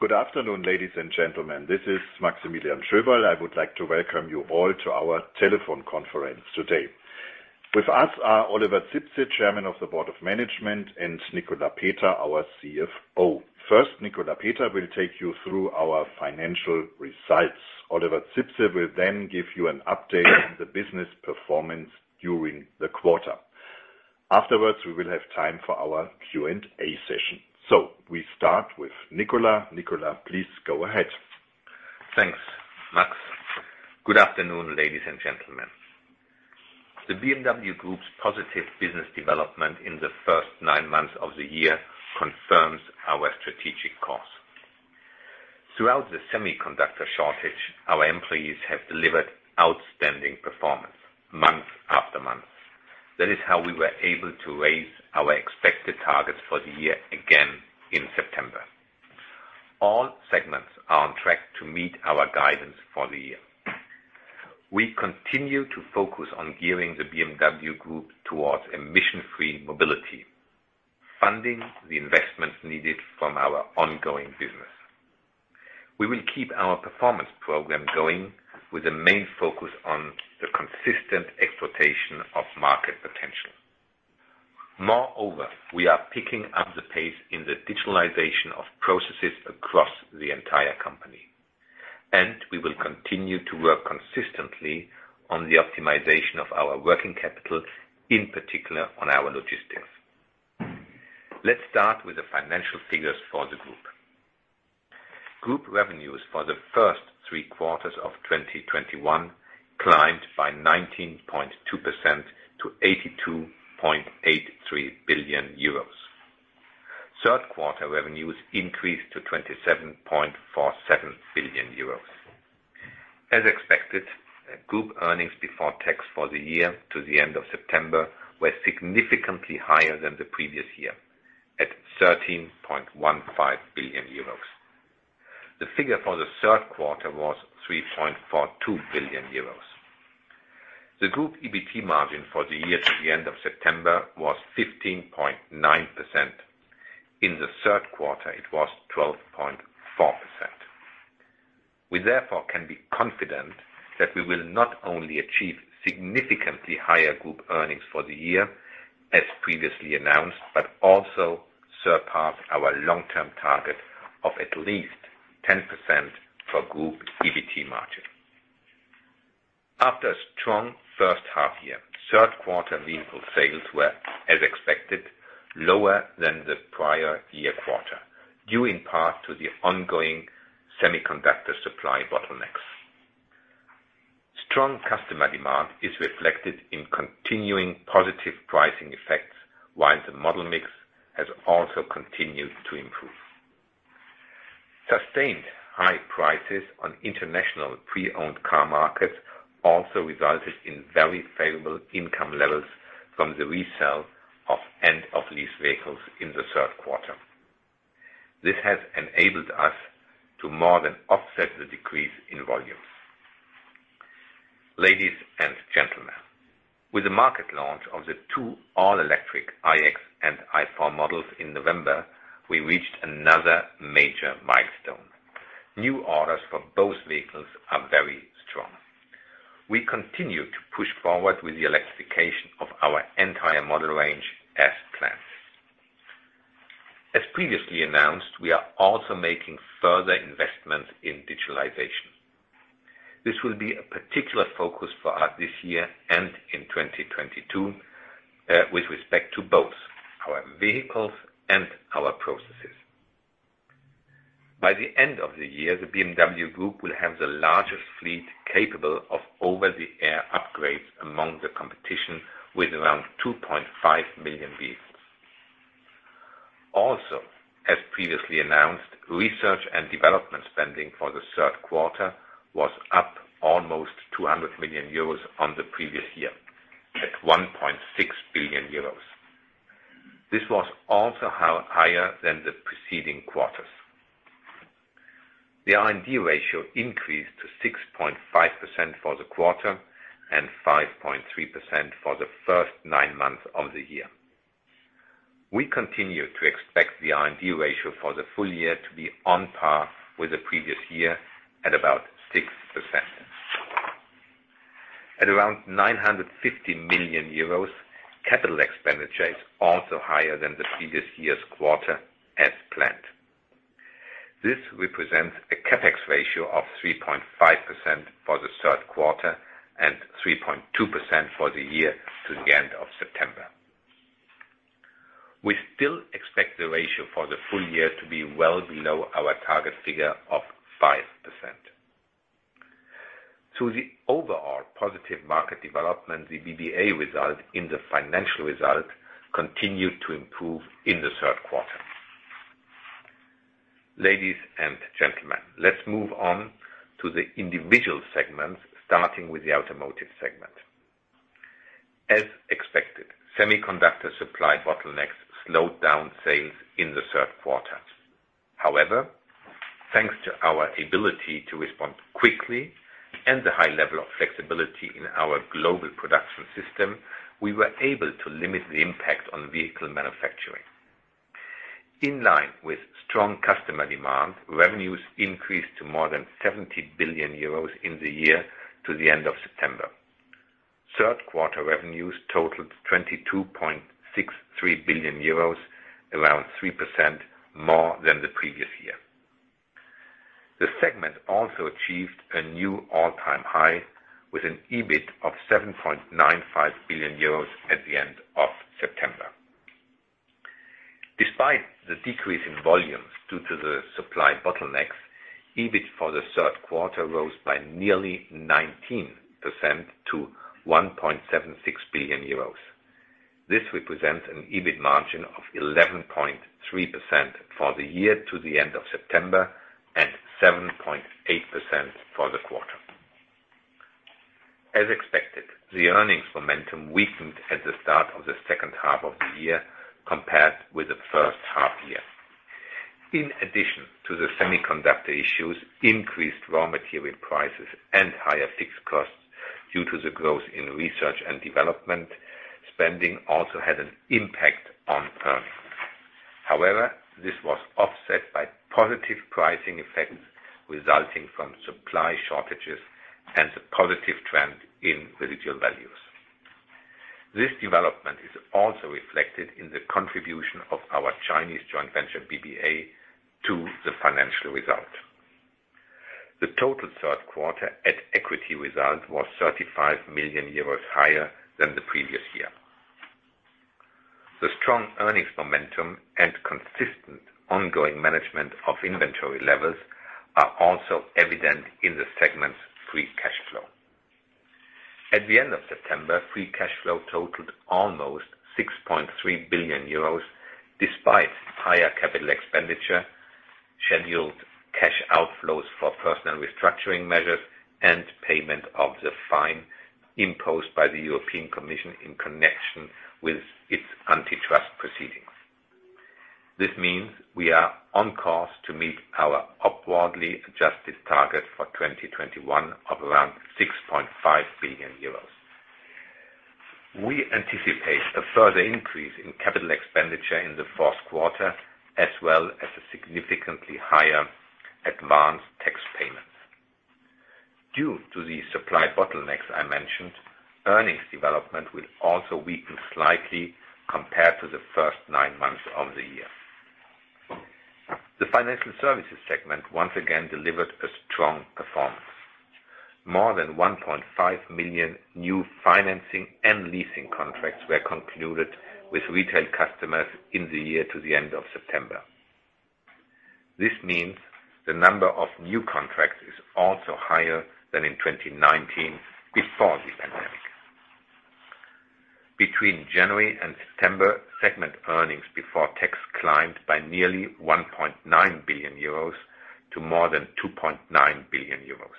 Good afternoon, ladies and gentlemen. This is Maximilian Schöberl. I would like to welcome you all to our Telephone Conference today. With us are Oliver Zipse, Chairman of the Board of Management, and Nicolas Peter, our CFO. First, Nicolas Peter will take you through our financial results. Oliver Zipse will then give you an update on the business performance during the quarter. Afterwards, we will have time for our Q&A session. We start with Nicolas. Nicolas, please go ahead. Thanks, Max. Good afternoon, ladies and gentlemen. The BMW Group's positive business development in the first nine months of the year confirms our strategic course. Throughout the semiconductor shortage, our employees have delivered outstanding performance month after month. That is how we were able to raise our expected targets for the year again in September. All segments are on track to meet our guidance for the year. We continue to focus on gearing the BMW Group towards emission-free mobility, funding the investments needed from our ongoing business. We will keep our performance program going with a main focus on the consistent exploitation of market potential. Moreover, we are picking up the pace in the digitalization of processes across the entire company, and we will continue to work consistently on the optimization of our working capital, in particular, on our logistics. Let's start with the financial figures for the group. Group revenues for the first three quarters of 2021 climbed by 19.2% to 82.83 billion euros. Third quarter revenues increased to 27.47 billion euros. As expected, group earnings before tax for the year to the end of September were significantly higher than the previous year, at 13.15 billion euros. The figure for the third quarter was 3.42 billion euros. The group EBT margin for the year to the end of September was 15.9%. In the third quarter, it was 12.4%. We therefore can be confident that we will not only achieve significantly higher group earnings for the year as previously announced, but also surpass our long-term target of at least 10% for group EBT margin. After a strong first half year, third quarter vehicle sales were, as expected, lower than the prior year quarter, due in part to the ongoing semiconductor supply bottlenecks. Strong customer demand is reflected in continuing positive pricing effects, while the model mix has also continued to improve. Sustained high prices on international pre-owned car markets also resulted in very favorable income levels from the resale of end of lease vehicles in the third quarter. This has enabled us to more than offset the decrease in volumes. Ladies and gentlemen, with the market launch of the two all-electric iX and i4 models in November, we reached another major milestone. New orders for both vehicles are very strong. We continue to push forward with the electrification of our entire model range as planned. As previously announced, we are also making further investments in digitalization. This will be a particular focus for us this year and in 2022, with respect to both our vehicles and our processes. By the end of the year, the BMW Group will have the largest fleet capable of over-the-air upgrades among the competition, with around 2.5 million vehicles. Also, as previously announced, research and development spending for the third quarter was up almost 200 million euros on the previous year, at 1.6 billion euros. This was also higher than the preceding quarters. The R&D ratio increased to 6.5% for the quarter and 5.3% for the first nine months of the year. We continue to expect the R&D ratio for the full year to be on par with the previous year at about 6%. At around 950 million euros, capital expenditure is also higher than the previous year's quarter as planned. This represents a CapEx ratio of 3.5% for the third quarter and 3.2% for the year to the end of September. We still expect the ratio for the full year to be well below our target figure of 5%. Through the overall positive market development, the BBA result in the financial result continued to improve in the third quarter. Ladies and gentlemen, let's move on to the individual segments, starting with the automotive segment. As expected, semiconductor supply bottlenecks slowed down sales in the third quarter. However, thanks to our ability to respond quickly and the high level of flexibility in our global production system, we were able to limit the impact on vehicle manufacturing. In line with strong customer demand, revenues increased to more than 70 billion euros in the year to the end of September. Third quarter revenues totaled 22.63 billion euros, around 3% more than the previous year. The segment also achieved a new all-time high with an EBIT of 7.95 billion euros at the end of September. Despite the decrease in volumes due to the supply bottlenecks, EBIT for the third quarter rose by nearly 19% to 1.76 billion euros. This represents an EBIT margin of 11.3% for the year to the end of September, and 7.8% for the quarter. As expected, the earnings momentum weakened at the start of the second half of the year compared with the first half year. In addition to the semiconductor issues, increased raw material prices and higher fixed costs due to the growth in research and development spending also had an impact on earnings. However, this was offset by positive pricing effects resulting from supply shortages and the positive trend in residual values. This development is also reflected in the contribution of our Chinese joint venture BBA to the financial result. The total third quarter at equity result was 35 million euros higher than the previous year. The strong earnings momentum and consistent ongoing management of inventory levels are also evident in the segment's free cash flow. At the end of September, free cash flow totaled almost 6.3 billion euros, despite higher capital expenditure, scheduled cash outflows for personal restructuring measures, and payment of the fine imposed by the European Commission in connection with its antitrust proceedings. This means we are on course to meet our upwardly adjusted target for 2021 of around 6.5 billion euros. We anticipate a further increase in capital expenditure in the fourth quarter, as well as a significantly higher advanced tax payments. Due to the supply bottlenecks I mentioned, earnings development will also weaken slightly compared to the first nine months of the year. The financial services segment once again delivered a strong performance. More than 1.5 million new financing and leasing contracts were concluded with retail customers in the year to the end of September. This means the number of new contracts is also higher than in 2019 before the pandemic. Between January and September, segment earnings before tax climbed by nearly 1.9 billion euros to more than 2.9 billion euros.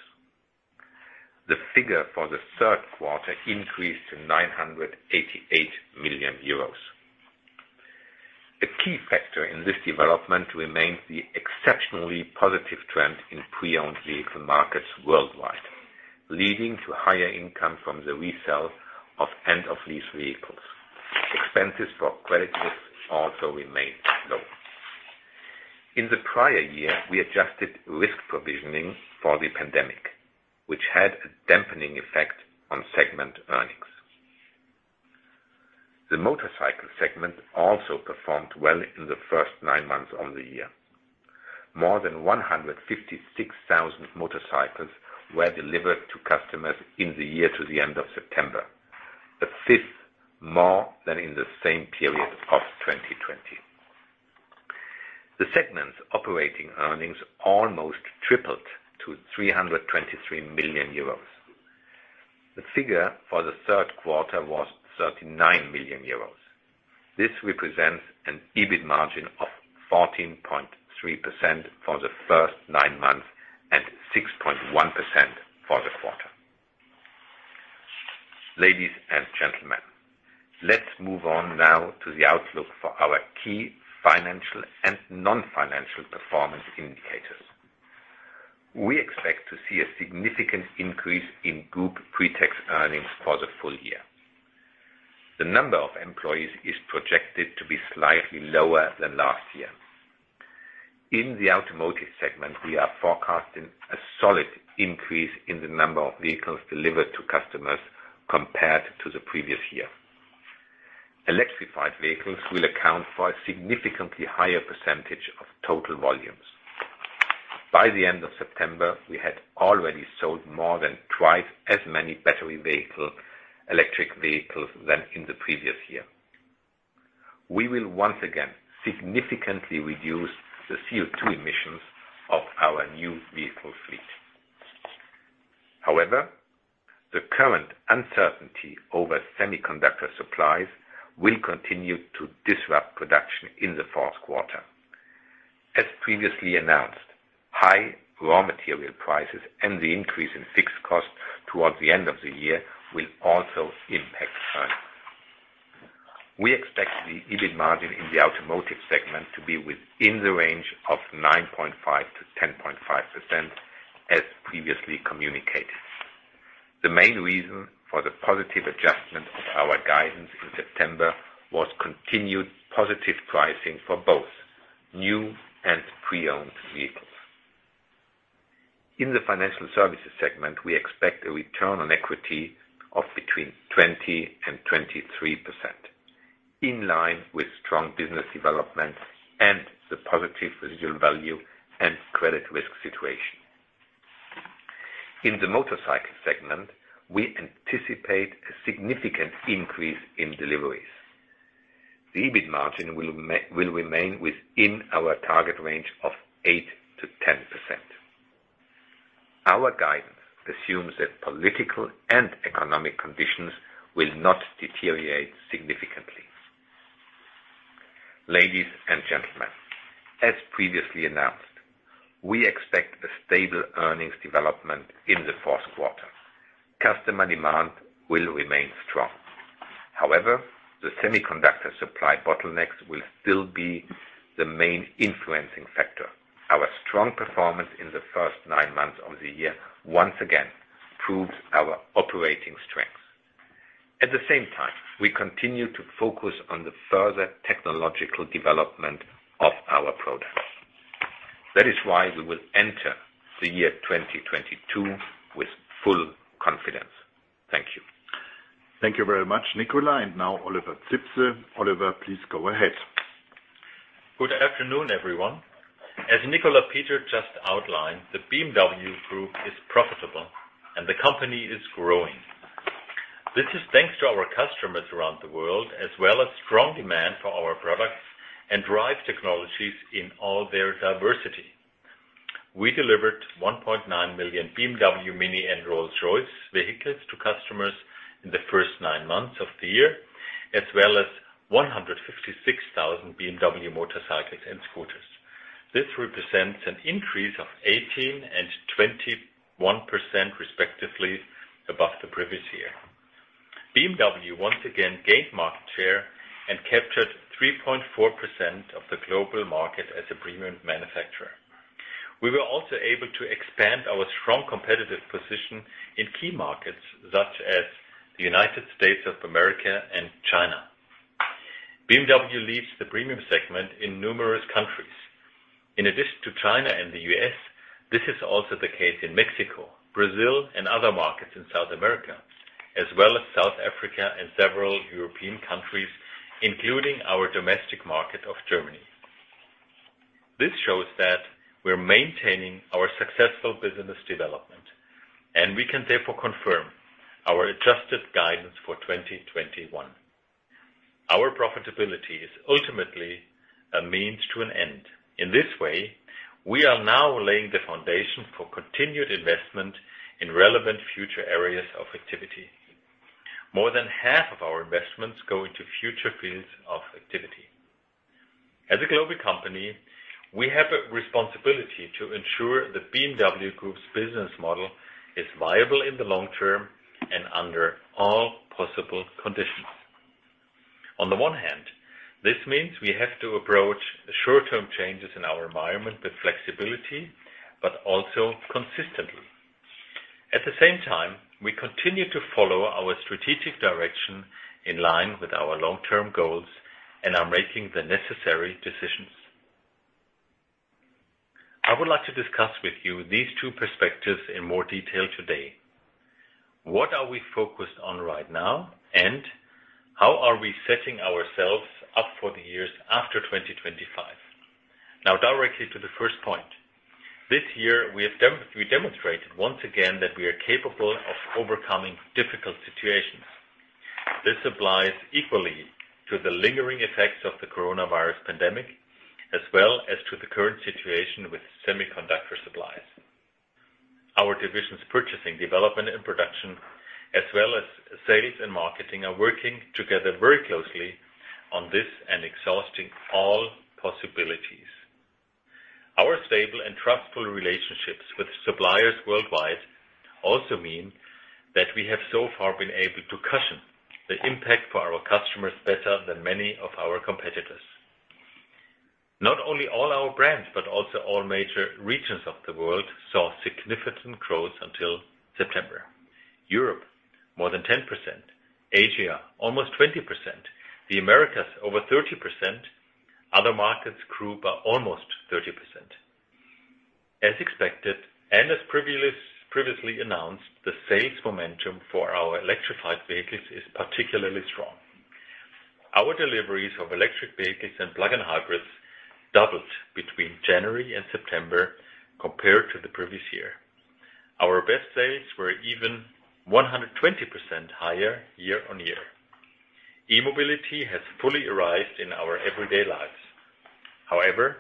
The figure for the third quarter increased to 988 million euros. A key factor in this development remains the exceptionally positive trend in pre-owned vehicle markets worldwide, leading to higher income from the resale of end-of-lease vehicles. Expenses for credit risks also remain low. In the prior year, we adjusted risk provisioning for the pandemic, which had a dampening effect on segment earnings. The motorcycle segment also performed well in the first nine months of the year. More than 156,000 motorcycles were delivered to customers in the year to the end of September, 5% more than in the same period of 2020. The segment's operating earnings almost tripled to 323 million euros. The figure for the third quarter was 39 million euros. This represents an EBIT margin of 14.3% for the first nine months, and 6.1% for the quarter. Ladies and gentlemen, let's move on now to the outlook for our key financial and non-financial performance indicators. We expect to see a significant increase in group pretax earnings for the full year. The number of employees is projected to be slightly lower than last year. In the automotive segment, we are forecasting a solid increase in the number of vehicles delivered to customers compared to the previous year. Electrified vehicles will account for a significantly higher percentage of total volumes. By the end of September, we had already sold more than twice as many battery electric vehicles than in the previous year. We will once again significantly reduce the CO₂ emissions of our new vehicle fleet. However, the current uncertainty over semiconductor supplies will continue to disrupt production in the fourth quarter. As previously announced, high raw material prices and the increase in fixed cost towards the end of the year will also impact earnings. We expect the EBIT margin in the automotive segment to be within the range of 9.5%-10.5% as previously communicated. The main reason for the positive adjustment of our guidance in September was continued positive pricing for both new and pre-owned vehicles. In the financial services segment, we expect a return on equity of between 20% and 23%, in line with strong business development and the positive residual value and credit risk situation. In the motorcycle segment, we anticipate a significant increase in deliveries. The EBIT margin will remain within our target range of 8%-10%. Our guidance assumes that political and economic conditions will not deteriorate significantly. Ladies and gentlemen, as previously announced, we expect a stable earnings development in the fourth quarter. Customer demand will remain strong. However, the semiconductor supply bottlenecks will still be the main influencing factor. Our strong performance in the first nine months of the year once again proves our operating strength. At the same time, we continue to focus on the further technological development of our products. That is why we will enter the year 2022 with full confidence. Thank you. Thank you very much, Nicolas. Now Oliver Zipse. Oliver, please go ahead. Good afternoon, everyone. As Nicolas Peter just outlined, the BMW Group is profitable and the company is growing. This is thanks to our customers around the world, as well as strong demand for our products and drive technologies in all their diversity. We delivered 1.9 million BMW, MINI, and Rolls-Royce vehicles to customers in the first nine months of the year, as well as 156,000 BMW motorcycles and scooters. This represents an increase of 18% and 21%, respectively, above the previous year. BMW once again gained market share and captured 3.4% of the global market as a premium manufacturer. We were also able to expand our strong competitive position in key markets such as the United States of America and China. BMW leads the premium segment in numerous countries. In addition to China and the U.S., this is also the case in Mexico, Brazil, and other markets in South America, as well as South Africa and several European countries, including our domestic market of Germany. This shows that we're maintaining our successful business development, and we can therefore confirm our adjusted guidance for 2021. Our profitability is ultimately a means to an end. In this way, we are now laying the foundation for continued investment in relevant future areas of activity. More than half of our investments go into future fields of activity. As a global company, we have a responsibility to ensure the BMW Group's business model is viable in the long term and under all possible conditions. On the one hand, this means we have to approach the short-term changes in our environment with flexibility, but also consistently. At the same time, we continue to follow our strategic direction in line with our long-term goals and are making the necessary decisions. I would like to discuss with you these two perspectives in more detail today. What are we focused on right now, and how are we setting ourselves up for the years after 2025? Now directly to the first point. This year, we have we demonstrated once again that we are capable of overcoming difficult situations. This applies equally to the lingering effects of the coronavirus pandemic, as well as to the current situation with semiconductor supplies. Our divisions purchasing, development, and production, as well as sales and marketing, are working together very closely on this and exhausting all possibilities. Our stable and trustful relationships with suppliers worldwide also mean that we have so far been able to cushion the impact for our customers better than many of our competitors. Not only all our brands, but also all major regions of the world, saw significant growth until September. Europe, more than 10%. Asia, almost 20%. The Americas, over 30%. Other markets grew by almost 30%. As expected, and as previously announced, the sales momentum for our electrified vehicles is particularly strong. Our deliveries of electric vehicles and plug-in hybrids doubled between January and September compared to the previous year. Our best sales were even 120% higher year-over-year. E-mobility has fully arrived in our everyday lives. However,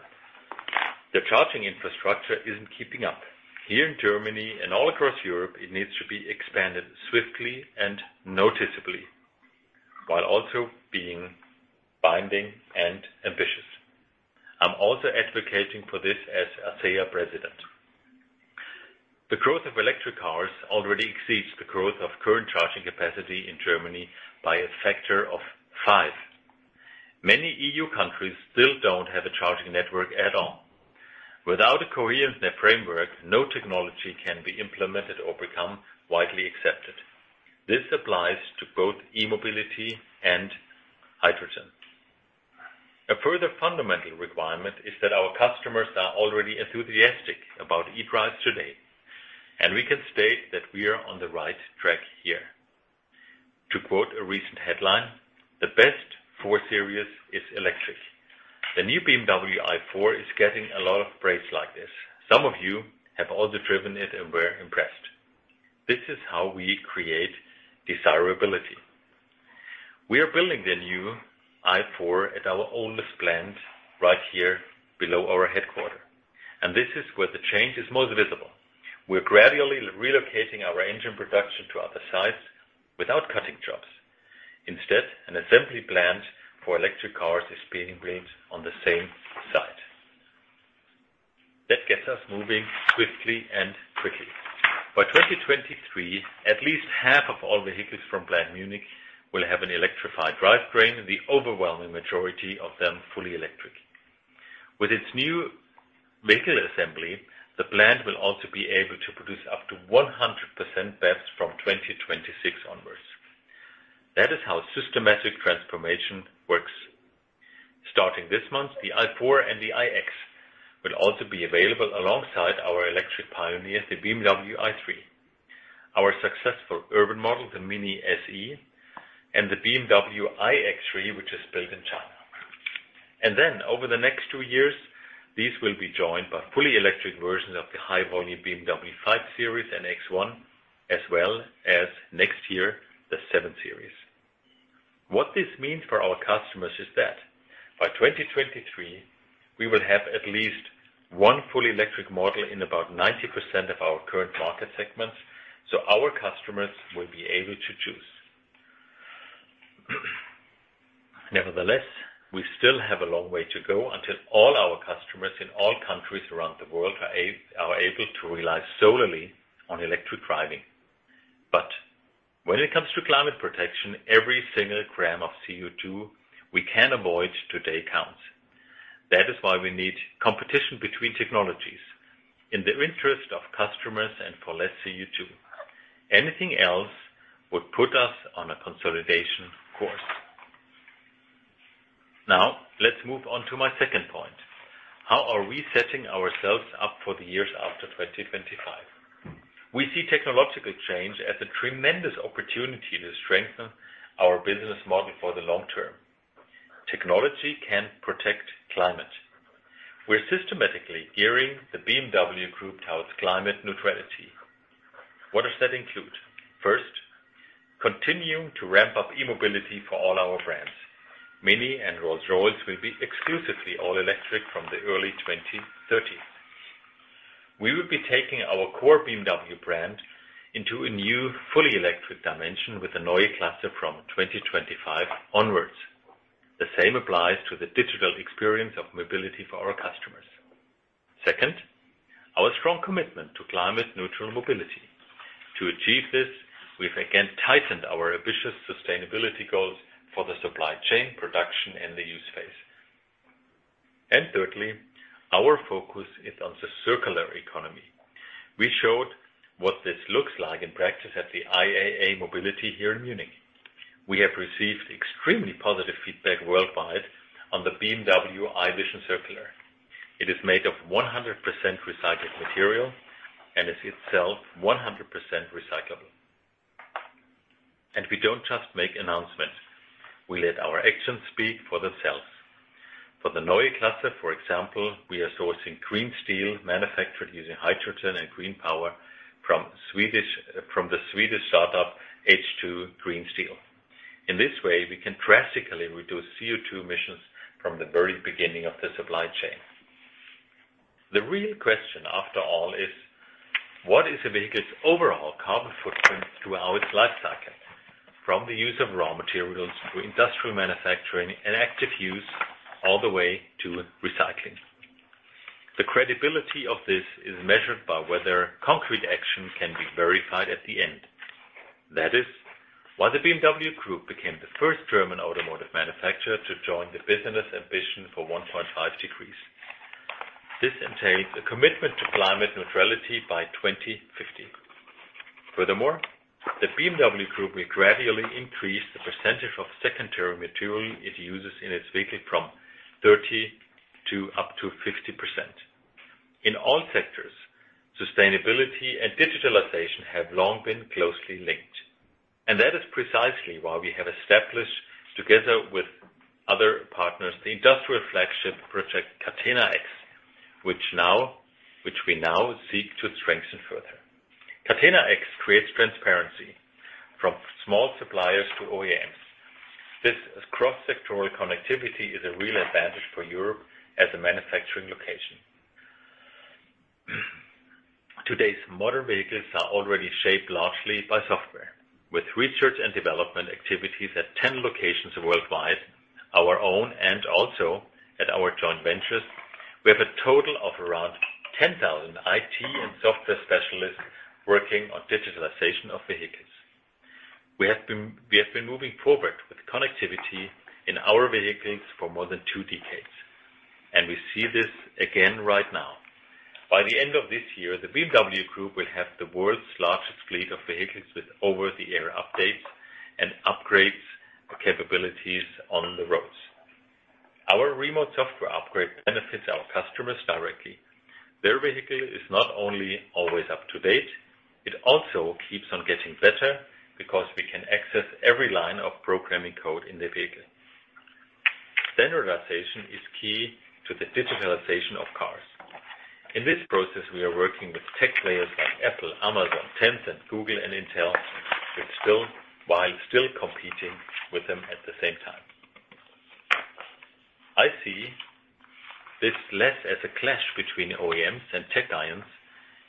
the charging infrastructure isn't keeping up. Here in Germany and all across Europe, it needs to be expanded swiftly and noticeably, while also being binding and ambitious. I'm also advocating for this as ACEA President. The growth of electric cars already exceeds the growth of current charging capacity in Germany by a factor of five. Many EU countries still don't have a charging network at all. Without a coherent framework, no technology can be implemented or become widely accepted. This applies to both e-mobility and hydrogen. A further fundamental requirement is that our customers are already enthusiastic about e-drive today, and we can state that we are on the right track here. To quote a recent headline, "The best 4 Series is electric." The new BMW i4 is getting a lot of praise like this. Some of you have also driven it and were impressed. This is how we create desirability. We are building the new i4 at our oldest plant right here below our headquarters, and this is where the change is most visible. We're gradually relocating our engine production to other sites without cutting jobs. Instead, an assembly plant for electric cars is being built on the same site. That gets us moving swiftly and quickly. By 2023, at least half of all vehicles from Plant Munich will have an electrified drivetrain, the overwhelming majority of them fully electric. With its new vehicle assembly, the plant will also be able to produce up to 100% BEVs from 2026 onwards. That is how systematic transformation works. Starting this month, the i4 and the iX will also be available alongside our electric pioneer, the BMW i3, our successful urban model, the MINI SE, and the BMW iX3, which is built in China. Over the next two years, these will be joined by fully electric versions of the high-volume BMW 5 Series and X1, as well as next year, the 7 Series. What this means for our customers is that by 2023, we will have at least one fully electric model in about 90% of our current market segments, so our customers will be able to choose. Nevertheless, we still have a long way to go until all our customers in all countries around the world are able to rely solely on electric driving. When it comes to climate protection, every single gram of CO2 we can avoid today counts. That is why we need competition between technologies in the interest of customers and for less CO2. Anything else would put us on a consolidation course. Now, let's move on to my second point. How are we setting ourselves up for the years after 2025? We see technological change as a tremendous opportunity to strengthen our business model for the long term. Technology can protect climate. We're systematically gearing the BMW Group towards climate neutrality. What does that include? First, continue to ramp up e-mobility for all our brands. MINI and Rolls-Royce will be exclusively all electric from the early 2030s. We will be taking our core BMW brand into a new fully electric dimension with the Neue Klasse from 2025 onwards. The same applies to the digital experience of mobility for our customers. Second, our strong commitment to climate neutral mobility. To achieve this, we've again tightened our ambitious sustainability goals for the supply chain production and the use phase. Thirdly, our focus is on the circular economy. We showed what this looks like in practice at the IAA MOBILITY here in Munich. We have received extremely positive feedback worldwide on the BMW i Vision Circular. It is made of 100% recycled material and is itself 100% recyclable. We don't just make announcements, we let our actions speak for themselves. For the Neue Klasse, for example, we are sourcing green steel manufactured using hydrogen and green power from the Swedish startup H2 Green Steel. In this way, we can drastically reduce CO₂ emissions from the very beginning of the supply chain. The real question, after all, is what is the vehicle's overall carbon footprint throughout its life cycle, from the use of raw materials to industrial manufacturing and active use, all the way to recycling. The credibility of this is measured by whether concrete action can be verified at the end. That is why the BMW Group became the first German automotive manufacturer to join the Business Ambition for 1.5°C. This entails a commitment to climate neutrality by 2050. Furthermore, the BMW Group will gradually increase the percentage of secondary material it uses in its vehicle from 30% to up to 50%. In all sectors, sustainability and digitalization have long been closely linked, and that is precisely why we have established, together with other partners, the industrial flagship Project Catena-X, which we now seek to strengthen further. Catena-X creates transparency from small suppliers to OEMs. This cross-sectoral connectivity is a real advantage for Europe as a manufacturing location. Today's modern vehicles are already shaped largely by software. With research and development activities at 10 locations worldwide, our own and also at our joint ventures, we have a total of around 10,000 IT and software specialists working on digitalization of vehicles. We have been moving forward with connectivity in our vehicles for more than two decades, and we see this again right now. By the end of this year, the BMW Group will have the world's largest fleet of vehicles with over-the-air updates and upgrades capabilities on the roads. Our remote software upgrade benefits our customers directly. Their vehicle is not only always up to date, it also keeps on getting better because we can access every line of programming code in the vehicle. Standardization is key to the digitalization of cars. In this process, we are working with tech players like Apple, Amazon, Tencent, Google and Intel, while still competing with them at the same time. I see this less as a clash between OEMs and tech giants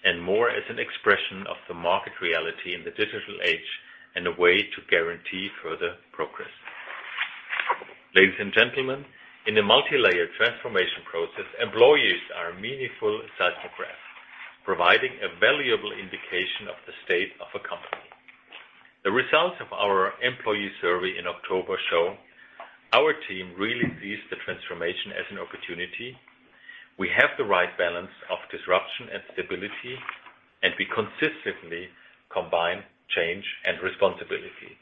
and more as an expression of the market reality in the digital age and a way to guarantee further progress. Ladies and gentlemen, in a multilayered transformation process, employees are a meaningful seismograph, providing a valuable indication of the state of a company. The results of our employee survey in October show our team really sees the transformation as an opportunity. We have the right balance of disruption and stability, and we consistently combine change and responsibility.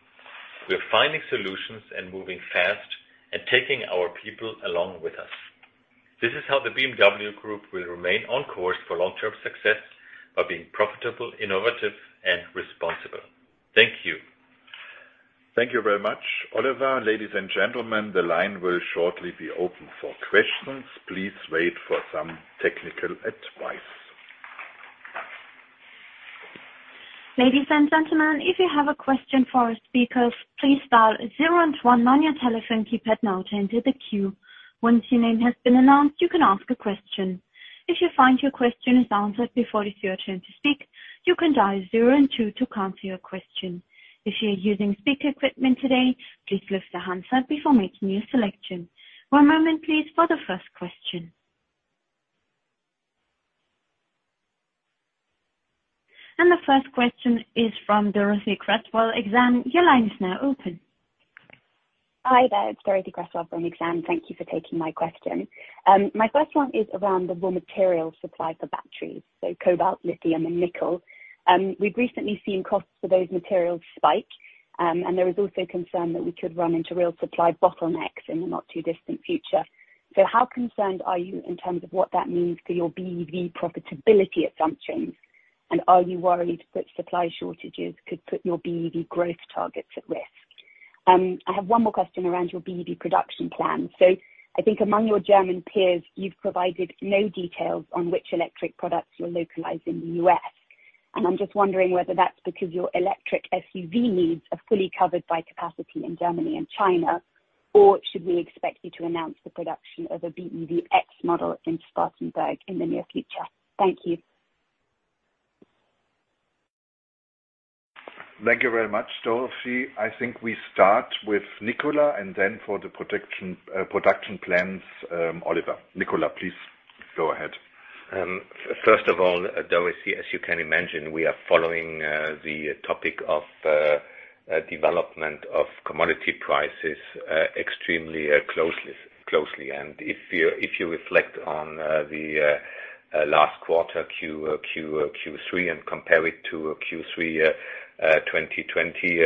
We are finding solutions and moving fast and taking our people along with us. This is how the BMW Group will remain on course for long-term success by being profitable, innovative and responsible. Thank you. Thank you very much, Oliver. Ladies and gentlemen, the line will shortly be open for questions. Please wait for some technical advice. Ladies and gentlemen, if you have a question for our speakers, please dial zero and one on your telephone keypad now to enter the queue. Once your name has been announced, you can ask a question. If you find your question is answered before it's your turn to speak, you can dial zero and two to cancel your question. If you're using speaker equipment today, please lift the handset before making your selection. One moment, please, for the first question. The first question is from Dorothee Cresswell, Exane. Your line is now open. Hi there. It's Dorothee Cresswell from Exane. Thank you for taking my question. My first one is around the raw material supply for batteries, so cobalt, lithium and nickel. We've recently seen costs for those materials spike, and there is also concern that we could run into real supply bottlenecks in the not-too-distant future. How concerned are you in terms of what that means for your BEV profitability assumptions? And are you worried that supply shortages could put your BEV growth targets at risk? I have one more question around your BEV production plan. I think among your German peers, you've provided no details on which electric products you'll localize in the U.S.. I'm just wondering whether that's because your electric SUV needs are fully covered by capacity in Germany and China, or should we expect you to announce the production of a BEV X model in Spartanburg in the near future? Thank you. Thank you very much, Dorothee. I think we start with Nicolas, and then for the production plans, Oliver. Nicolas, please go ahead. First of all, Dorothee, as you can imagine, we are following the topic of development of commodity prices extremely closely. If you reflect on the last quarter Q3 and compare it to Q3 2020,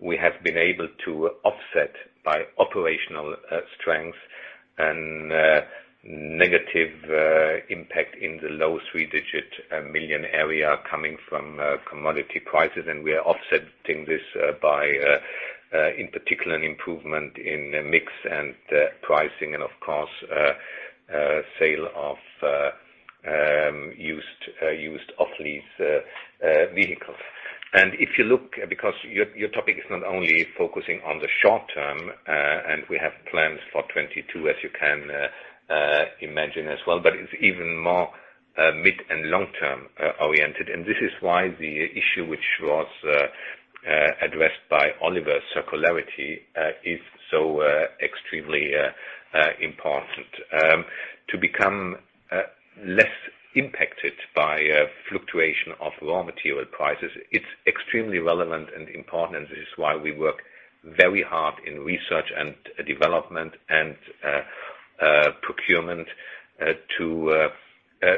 we have been able to offset by operational strength and negative impact in the low three-digit million area coming from commodity prices. We are offsetting this by in particular an improvement in mix and pricing and of course sale of used off-lease vehicles. If you look, because your topic is not only focusing on the short term, and we have plans for 2022, as you can imagine as well, but it's even more mid and long-term oriented. This is why the issue which was addressed by Oliver, circularity, is so extremely important. To become less impacted by fluctuation of raw material prices, it's extremely relevant and important. This is why we work very hard in research and development and procurement to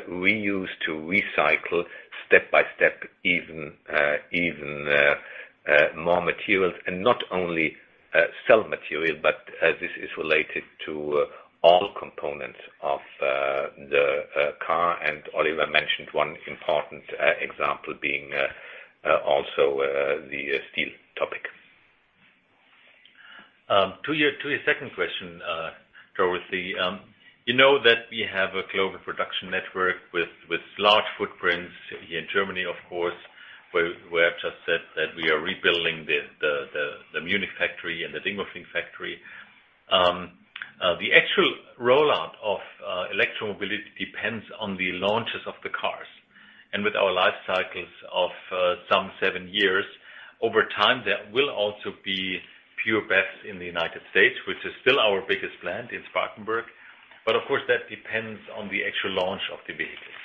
reuse, to recycle step by step, even more materials. Not only steel material, but this is related to all components of the car. Oliver mentioned one important example being also the steel topic. To your second question, Dorothee. You know that we have a global production network with large footprints here in Germany, of course, where I've just said that we are rebuilding the Munich factory and the Dingolfing factory. The actual rollout of electro-mobility depends on the launches of the cars. With our life cycles of some seven years, over time, there will also be pure BEVs in the United States, which is still our biggest plant in Spartanburg. Of course, that depends on the actual launch of the vehicles.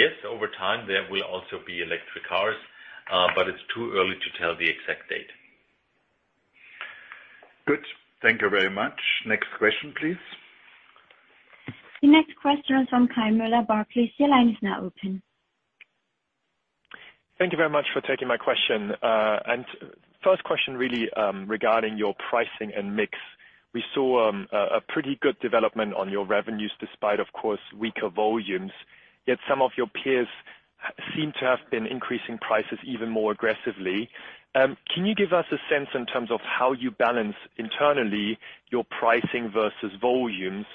Yes, over time, there will also be electric cars, but it's too early to tell the exact date. Good. Thank you very much. Next question, please. The next question is from Kai Müller, Barclays. Your line is now open. Thank you very much for taking my question. First question really regarding your pricing and mix. We saw a pretty good development on your revenues despite, of course, weaker volumes. Yet some of your peers seem to have been increasing prices even more aggressively. Can you give us a sense in terms of how you balance internally your pricing versus volumes,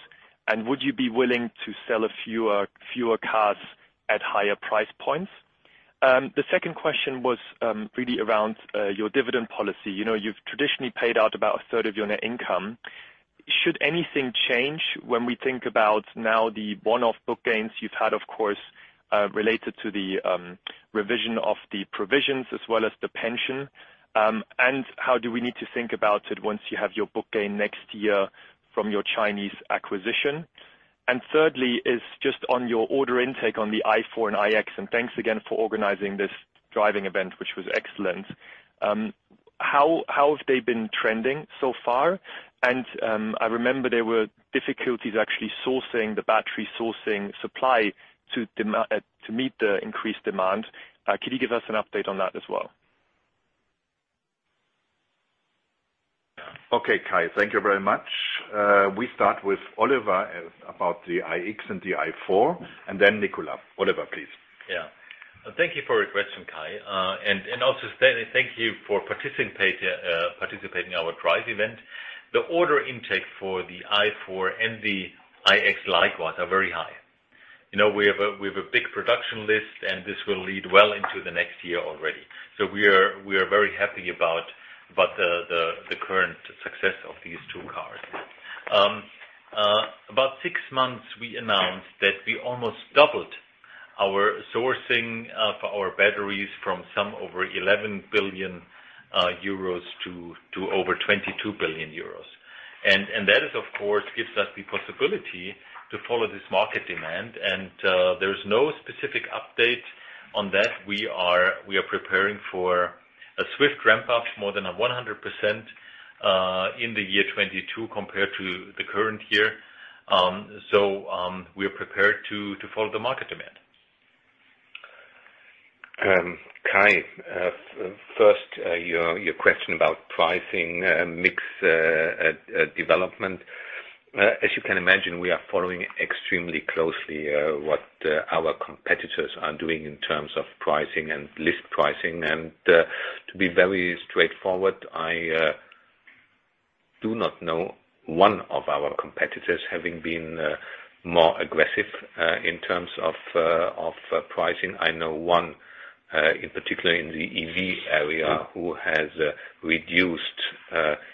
and would you be willing to sell a fewer cars at higher price points? The second question was really around your dividend policy. You know, you've traditionally paid out about a third of your net income. Should anything change when we think about now the one-off book gains you've had, of course, related to the revision of the provisions as well as the pension, and how do we need to think about it once you have your book gain next year from your Chinese acquisition? Thirdly is just on your order intake on the i4 and iX, and thanks again for organizing this driving event, which was excellent. How have they been trending so far? I remember there were difficulties actually sourcing the battery supply to meet the increased demand. Could you give us an update on that as well? Okay, Kai. Thank you very much. We start with Oliver about the iX and the i4, and then Nicolas. Oliver, please. Yeah. Thank you for your question, Kai. And also thank you for participating in our drive event. The order intake for the i4 and the iX likewise are very high. You know, we have a big production list, and this will lead well into the next year already. We are very happy about the current success of these two cars. About six months ago, we announced that we almost doubled our sourcing for our batteries from over 11 billion euros to over 22 billion euros. That is, of course, gives us the possibility to follow this market demand. There is no specific update on that. We are preparing for a swift ramp-up, more than 100% in the year 2022 compared to the current year. We are prepared to follow the market demand. Kai, first, your question about pricing and mix development. As you can imagine, we are following extremely closely what our competitors are doing in terms of pricing and list pricing. To be very straightforward, I do not know one of our competitors having been more aggressive in terms of pricing. I know one in particular in the EV area who has reduced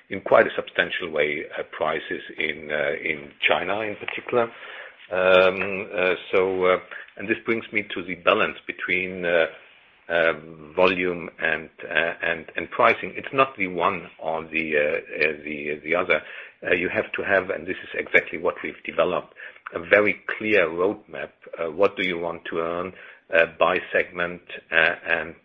in quite a substantial way prices in China in particular. This brings me to the balance between volume and pricing. It's not the one or the other. You have to have, and this is exactly what we've developed, a very clear roadmap. What do you want to earn by segment and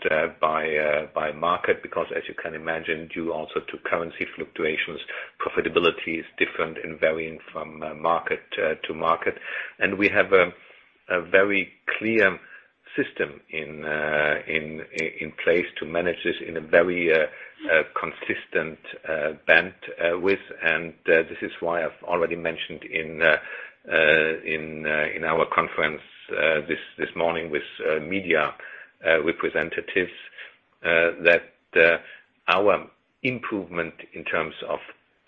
by market? Because as you can imagine, due also to currency fluctuations, profitability is different and varying from market to market. We have a very clear system in place to manage this in a very consistent band with. This is why I've already mentioned in our conference this morning with media representatives that our improvement in terms of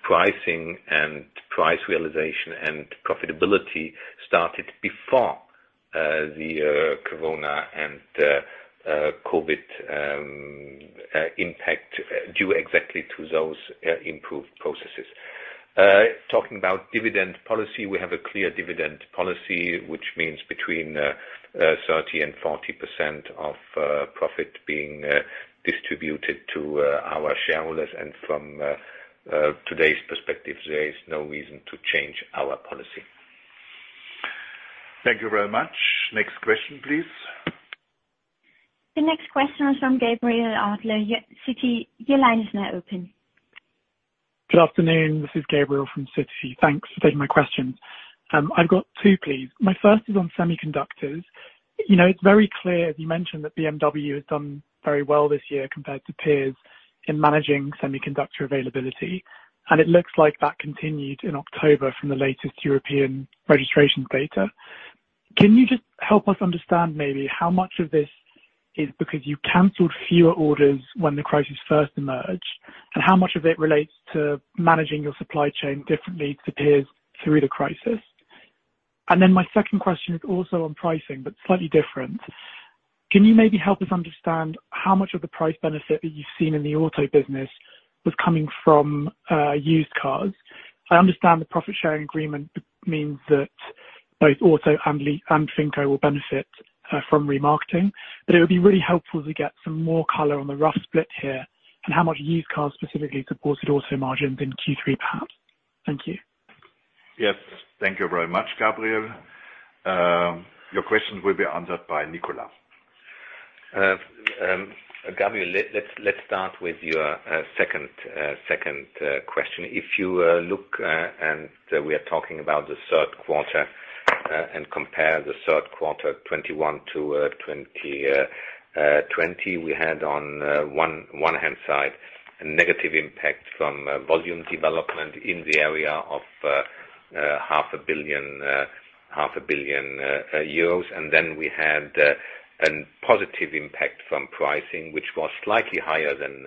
pricing and price realization and profitability started before the corona and COVID impact due exactly to those improved processes. Talking about dividend policy, we have a clear dividend policy, which means between 30% and 40% of profit being distributed to our shareholders. From today's perspective, there is no reason to change our policy. Thank you very much. Next question, please. The next question is from Gabriel Adler, Citi. Your line is now open. Good afternoon. This is Gabriel from Citi. Thanks for taking my questions. I've got two, please. My first is on semiconductors. You know, it's very clear, as you mentioned, that BMW has done very well this year compared to peers in managing semiconductor availability, and it looks like that continued in October from the latest European registrations data. Can you just help us understand maybe how much of this is because you canceled fewer orders when the crisis first emerged, and how much of it relates to managing your supply chain differently to peers through the crisis? Then my second question is also on pricing, but slightly different. Can you maybe help us understand how much of the price benefit that you've seen in the auto business was coming from used cars? I understand the profit-sharing agreement means that both auto and FinCo will benefit from remarketing, but it would be really helpful to get some more color on the rough split here and how much used cars specifically supported auto margins in Q3, perhaps. Thank you. Yes. Thank you very much, Gabriel. Your questions will be answered by Nicolas. Gabriel, let's start with your second question. If you look and we are talking about the third quarter and compare the third quarter 2021 to 2020, we had on one hand a negative impact from volume development in the area of EUR half a billion. Then we had a positive impact from pricing, which was slightly higher than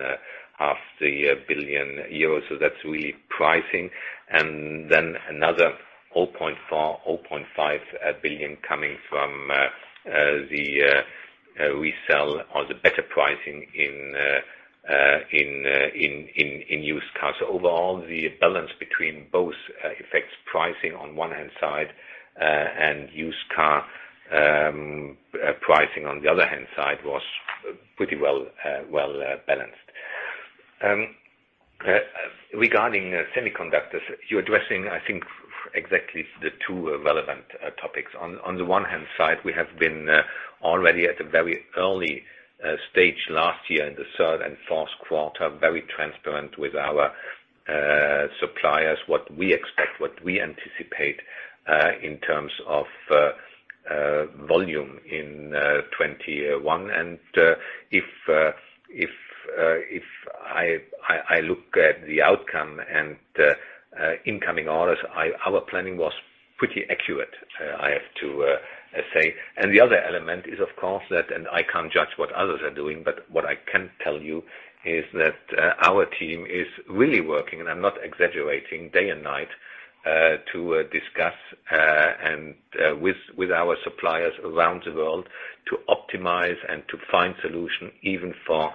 half a billion EUR. So that's really pricing. Then another 0.4-0.5 billion coming from the resale or the better pricing in used cars. Overall, the balance between both affects pricing on one hand side and used car pricing on the other hand side was pretty well balanced. Regarding semiconductors, you're addressing, I think, exactly the two relevant topics. On the one hand side, we have been already at a very early stage last year in the third and fourth quarter very transparent with our suppliers what we expect, what we anticipate in terms of volume in 2021. If I look at the outcome and incoming orders, our planning was pretty accurate, I have to say. The other element is, of course, that, and I can't judge what others are doing, but what I can tell you is that our team is really working, and I'm not exaggerating, day and night to discuss and with our suppliers around the world to optimize and to find solution even for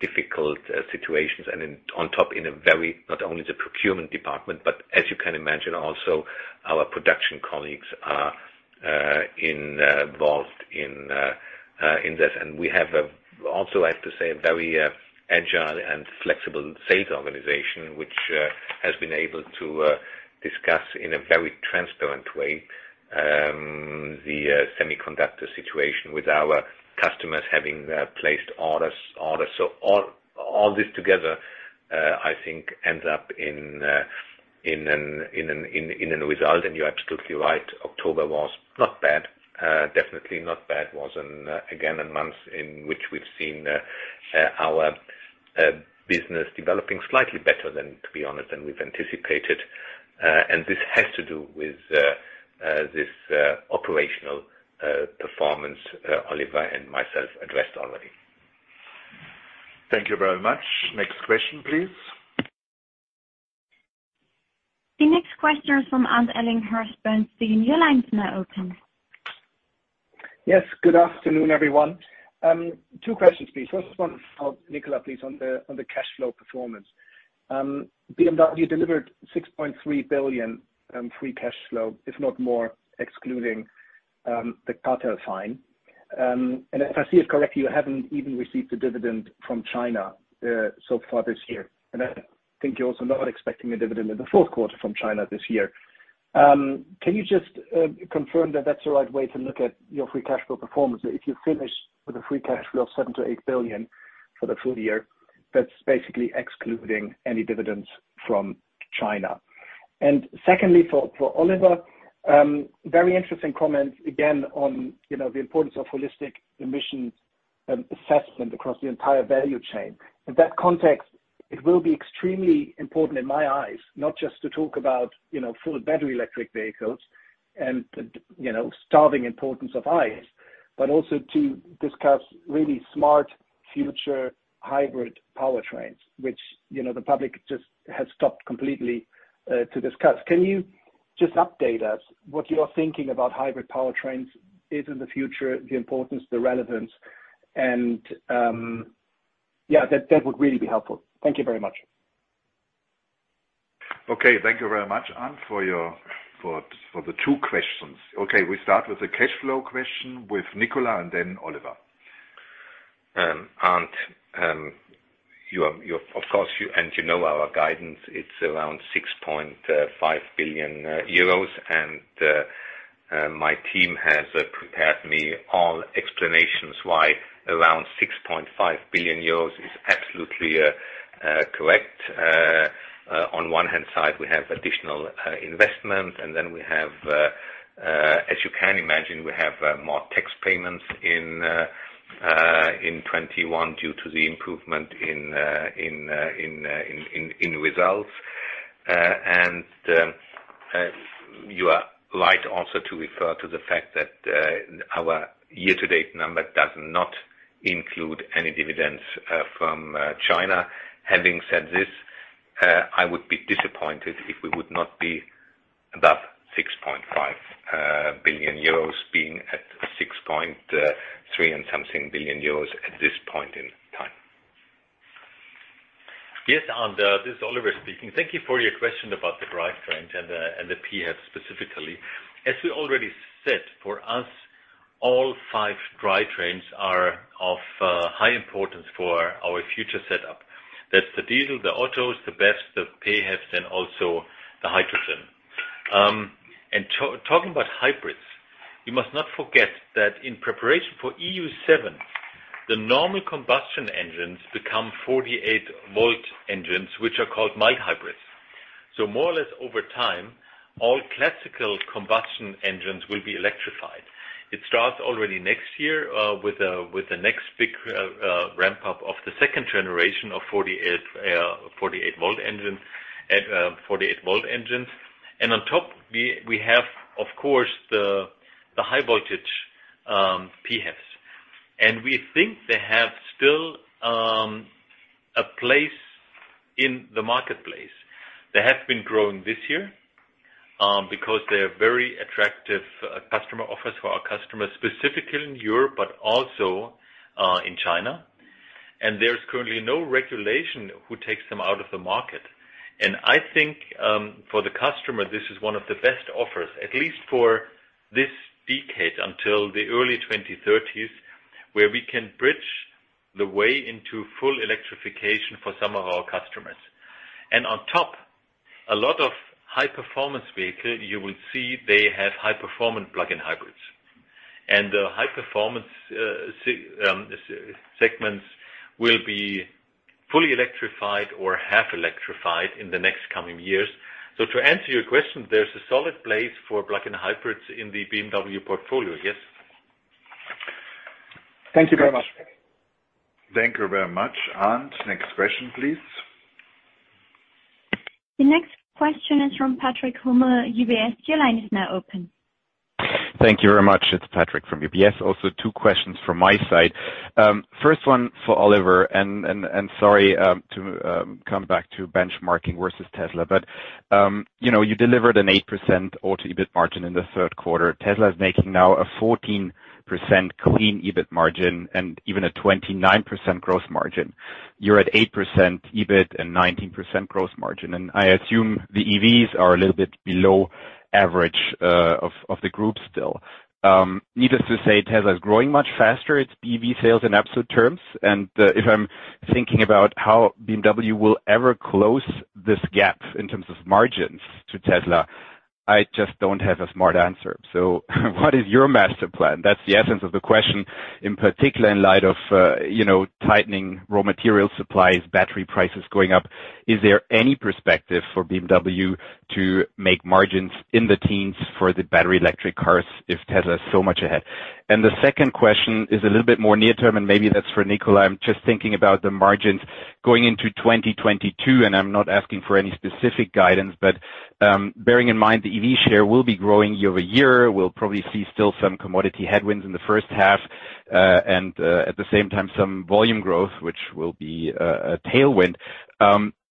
difficult situations. Then on top, in a very not only the procurement department, but as you can imagine, also our production colleagues are involved in this. We have also, I have to say, a very agile and flexible sales organization, which has been able to discuss in a very transparent way the semiconductor situation with our customers having placed orders. All this together, I think, ends up in a result. You're absolutely right, October was not bad, definitely not bad. It was again a month in which we've seen our business developing slightly better than, to be honest, than we've anticipated. This has to do with this operational performance Oliver and myself addressed already. Thank you very much. Next question, please. The next question from Arndt Ellinghorst, Bernstein. The line is now open. Yes, good afternoon, everyone. Two questions, please. First one for Nicolas, please, on the cash flow performance. BMW delivered 6.3 billion free cash flow, if not more, excluding the cartel fine. If I see it correctly, you haven't even received a dividend from China so far this year. I think you're also not expecting a dividend in the fourth quarter from China this year. Can you just confirm that that's the right way to look at your free cash flow performance? If you finish with a free cash flow of 7 billion-8 billion for the full year, that's basically excluding any dividends from China. Secondly, for Oliver, very interesting comment again on, you know, the importance of holistic emissions assessment across the entire value chain. In that context, it will be extremely important in my eyes, not just to talk about, you know, full battery electric vehicles and, you know, stressing the importance of ICE, but also to discuss really smart future hybrid powertrains, which, you know, the public just has stopped completely to discuss. Can you just update us what you're thinking about hybrid powertrains is in the future, the importance, the relevance and, yeah, that would really be helpful. Thank you very much. Okay. Thank you very much, Arndt, for the two questions. Okay, we start with the cash flow question with Nicolas and then Oliver. Arndt, you of course know our guidance; it's around 6.5 billion euros. My team has prepared me all explanations why around 6.5 billion euros is absolutely correct. On one hand side, we have additional investment, and then we have, as you can imagine, more tax payments in 2021 due to the improvement in results. You are right also to refer to the fact that our year-to-date number does not include any dividends from China. Having said this, I would be disappointed if we would not be above 6.5 billion euros, being at 6.3 and something billion euros at this point in time. Yes, Arndt. This is Oliver speaking. Thank you for your question about the drive trend and the PHEV specifically. As we already said, for us, all five drivetrains are of high importance for our future setup. That's the diesel, the Ottos, the BEVs, the PHEVs, and also the hydrogen. Talking about hybrids, you must not forget that in preparation for Euro 7, the normal combustion engines become 48-volt engines, which are called mild hybrids. More or less over time, all classical combustion engines will be electrified. It starts already next year with the next big ramp up of the second generation of 48-volt engines. On top we have, of course, the high voltage PHEVs, and we think they have still a place in the marketplace. They have been growing this year, because they're very attractive customer offers for our customers, specifically in Europe but also in China. There's currently no regulation who takes them out of the market. I think, for the customer, this is one of the best offers, at least for this decade until the early 2030s, where we can bridge the way into full electrification for some of our customers. On top, a lot of high performance vehicle, you will see they have high performance plug-in hybrids. The high performance segments will be fully electrified or half electrified in the next coming years. To answer your question, there's a solid place for plug-in hybrids in the BMW portfolio. Yes. Thank you very much. Thank you very much, Arndt. Next question, please. The next question is from Patrick Hummel, UBS. Your line is now open. Thank you very much. It's Patrick from UBS. Also two questions from my side. First one for Oliver. Sorry to come back to benchmarking versus Tesla, but you know, you delivered an 8% auto EBIT margin in the third quarter. Tesla is making now a 14% clean EBIT margin and even a 29% gross margin. You're at 8% EBIT and 19% gross margin. I assume the EVs are a little bit below average of the group still. Needless to say, Tesla is growing much faster, its EV sales in absolute terms. If I'm thinking about how BMW will ever close this gap in terms of margins to Tesla, I just don't have a smart answer. What is your master plan? That's the essence of the question. In particular, in light of you know, tightening raw material supplies, battery prices going up, is there any perspective for BMW to make margins in the teens for the battery electric cars if Tesla is so much ahead? The second question is a little bit more near term, and maybe that's for Nicolas. I'm just thinking about the margins going into 2022, and I'm not asking for any specific guidance, but bearing in mind the EV share will be growing year over year. We'll probably see still some commodity headwinds in the first half, and at the same time, some volume growth, which will be a tailwind.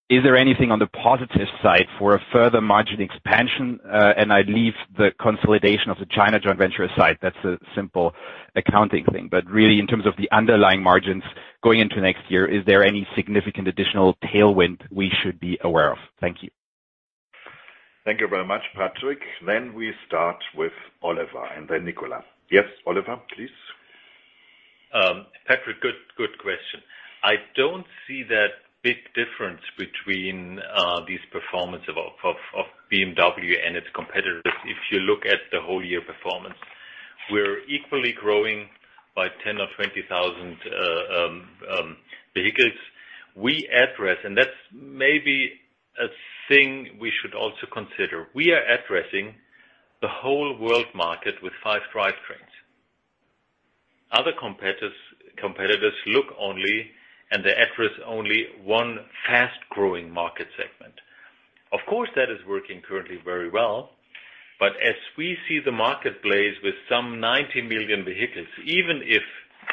Is there anything on the positive side for a further margin expansion? I leave the consolidation of the China joint venture aside. That's a simple accounting thing. Really, in terms of the underlying margins going into next year, is there any significant additional tailwind we should be aware of? Thank you. Thank you very much, Patrick. We start with Oliver and then Nicolas. Yes, Oliver, please. Patrick, good question. I don't see that big difference between these performance of BMW and its competitors if you look at the whole year performance. We're equally growing by 10 or 20,000 vehicles. We address, and that's maybe a thing we should also consider. We are addressing the whole world market with five drivetrains. Other competitors look only and they address only one fast-growing market segment. Of course, that is working currently very well. As we see the marketplace with some 90 million vehicles, even if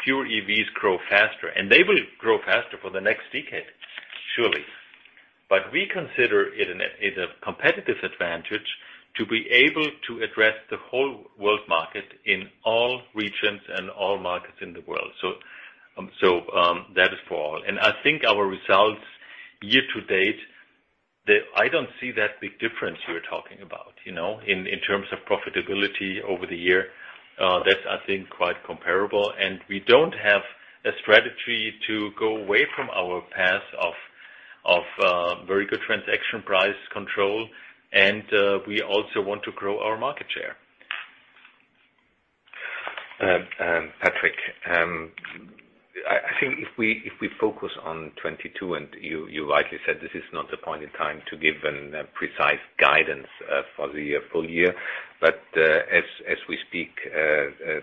pure EVs grow faster, and they will grow faster for the next decade, surely. We consider it a competitive advantage to be able to address the whole world market in all regions and all markets in the world. That is for all. I think our results year to date. I don't see that big difference you're talking about, you know, in terms of profitability over the year. That's, I think, quite comparable. We don't have a strategy to go away from our path of very good transaction price control, and we also want to grow our market share. Patrick, I think if we focus on 2022, you rightly said this is not the point in time to give a precise guidance for the full year, as we speak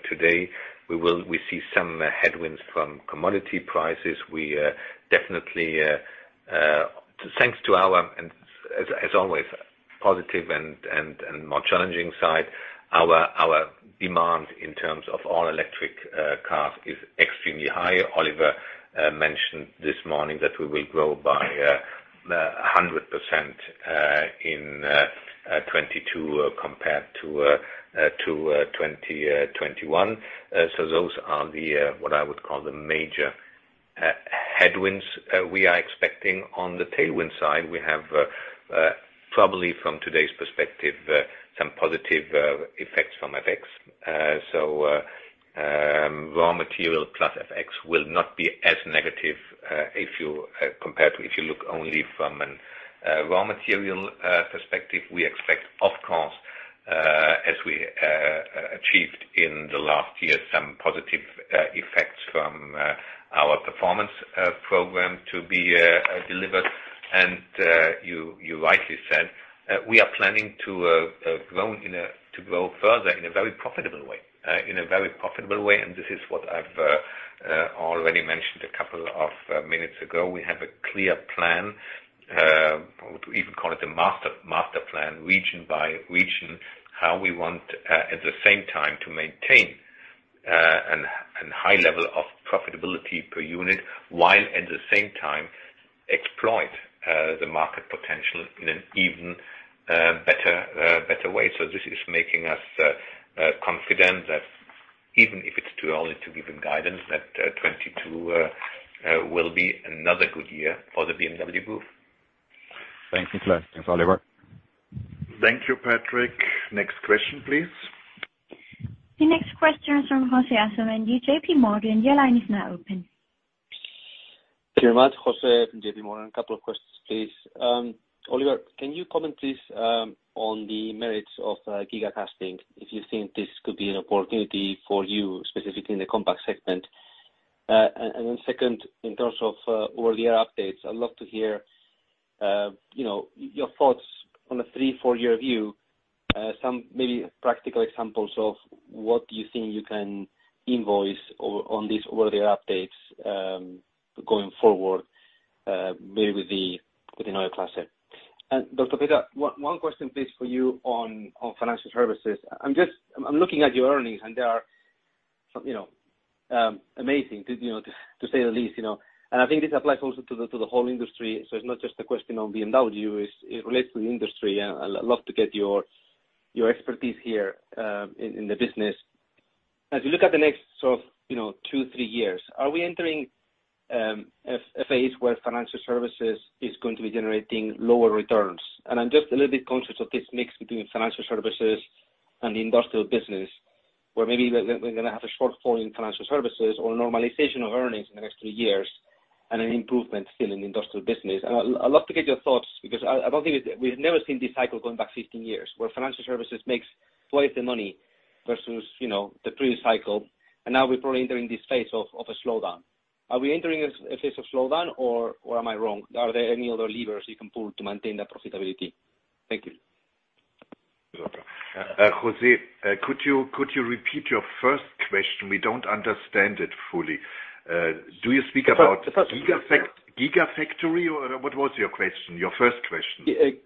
today, we see some headwinds from commodity prices. We definitely, thanks to our, and as always, positive and more challenging side. Our demand in terms of all electric cars is extremely high. Oliver mentioned this morning that we will grow by 100% in 2022 compared to 2021. So those are what I would call the major headwinds we are expecting. On the tailwind side, we have probably from today's perspective some positive effects from FX. Raw material plus FX will not be as negative if compared to if you look only from a raw material perspective. We expect, of course, as we achieved in the last year, some positive effects from our performance program to be delivered. You rightly said, we are planning to grow further in a very profitable way. In a very profitable way, and this is what I've already mentioned a couple of minutes ago. We have a clear plan to even call it a master plan, region by region, how we want at the same time to maintain a high level of profitability per unit, while at the same time exploit the market potential in an even better way. This is making us confident that even if it's too early to give any guidance, that 2022 will be another good year for the BMW Group. Thanks, Nicolas. Thanks, Oliver. Thank you, Patrick. Next question, please. The next question is from José Asumendi, JPMorgan. Your line is now open. Thank you very much. José from JPMorgan. A couple of questions, please. Oliver, can you comment please on the merits of giga casting, if you think this could be an opportunity for you, specifically in the compact segment? And then second, in terms of over-the-air updates, I'd love to hear you know your thoughts on a 3-4-year view, some maybe practical examples of what you think you can invoice on these over-the-air updates going forward, maybe within Neue Klasse here. And Dr. Peter, one question please for you on financial services. I'm looking at your earnings, and they are you know amazing to say the least you know. I think this applies also to the whole industry, so it's not just a question on BMW, it relates to the industry. I'd love to get your expertise here in the business. As you look at the next sort of, you know, two, three years, are we entering a phase where financial services is going to be generating lower returns? I'm just a little bit conscious of this mix between financial services and the industrial business, where maybe we're gonna have a shortfall in financial services or normalization of earnings in the next three years, and an improvement still in industrial business. I'd love to get your thoughts, because I don't think we've never seen this cycle going back 15 years, where financial services makes twice the money versus, you know, the previous cycle. Now we're probably entering this phase of a slowdown. Are we entering a phase of slowdown or am I wrong? Are there any other levers you can pull to maintain that profitability? Thank you. Jose, could you repeat your first question? We don't understand it fully. Do you speak about? Gigafactory, or what was your question, your first question?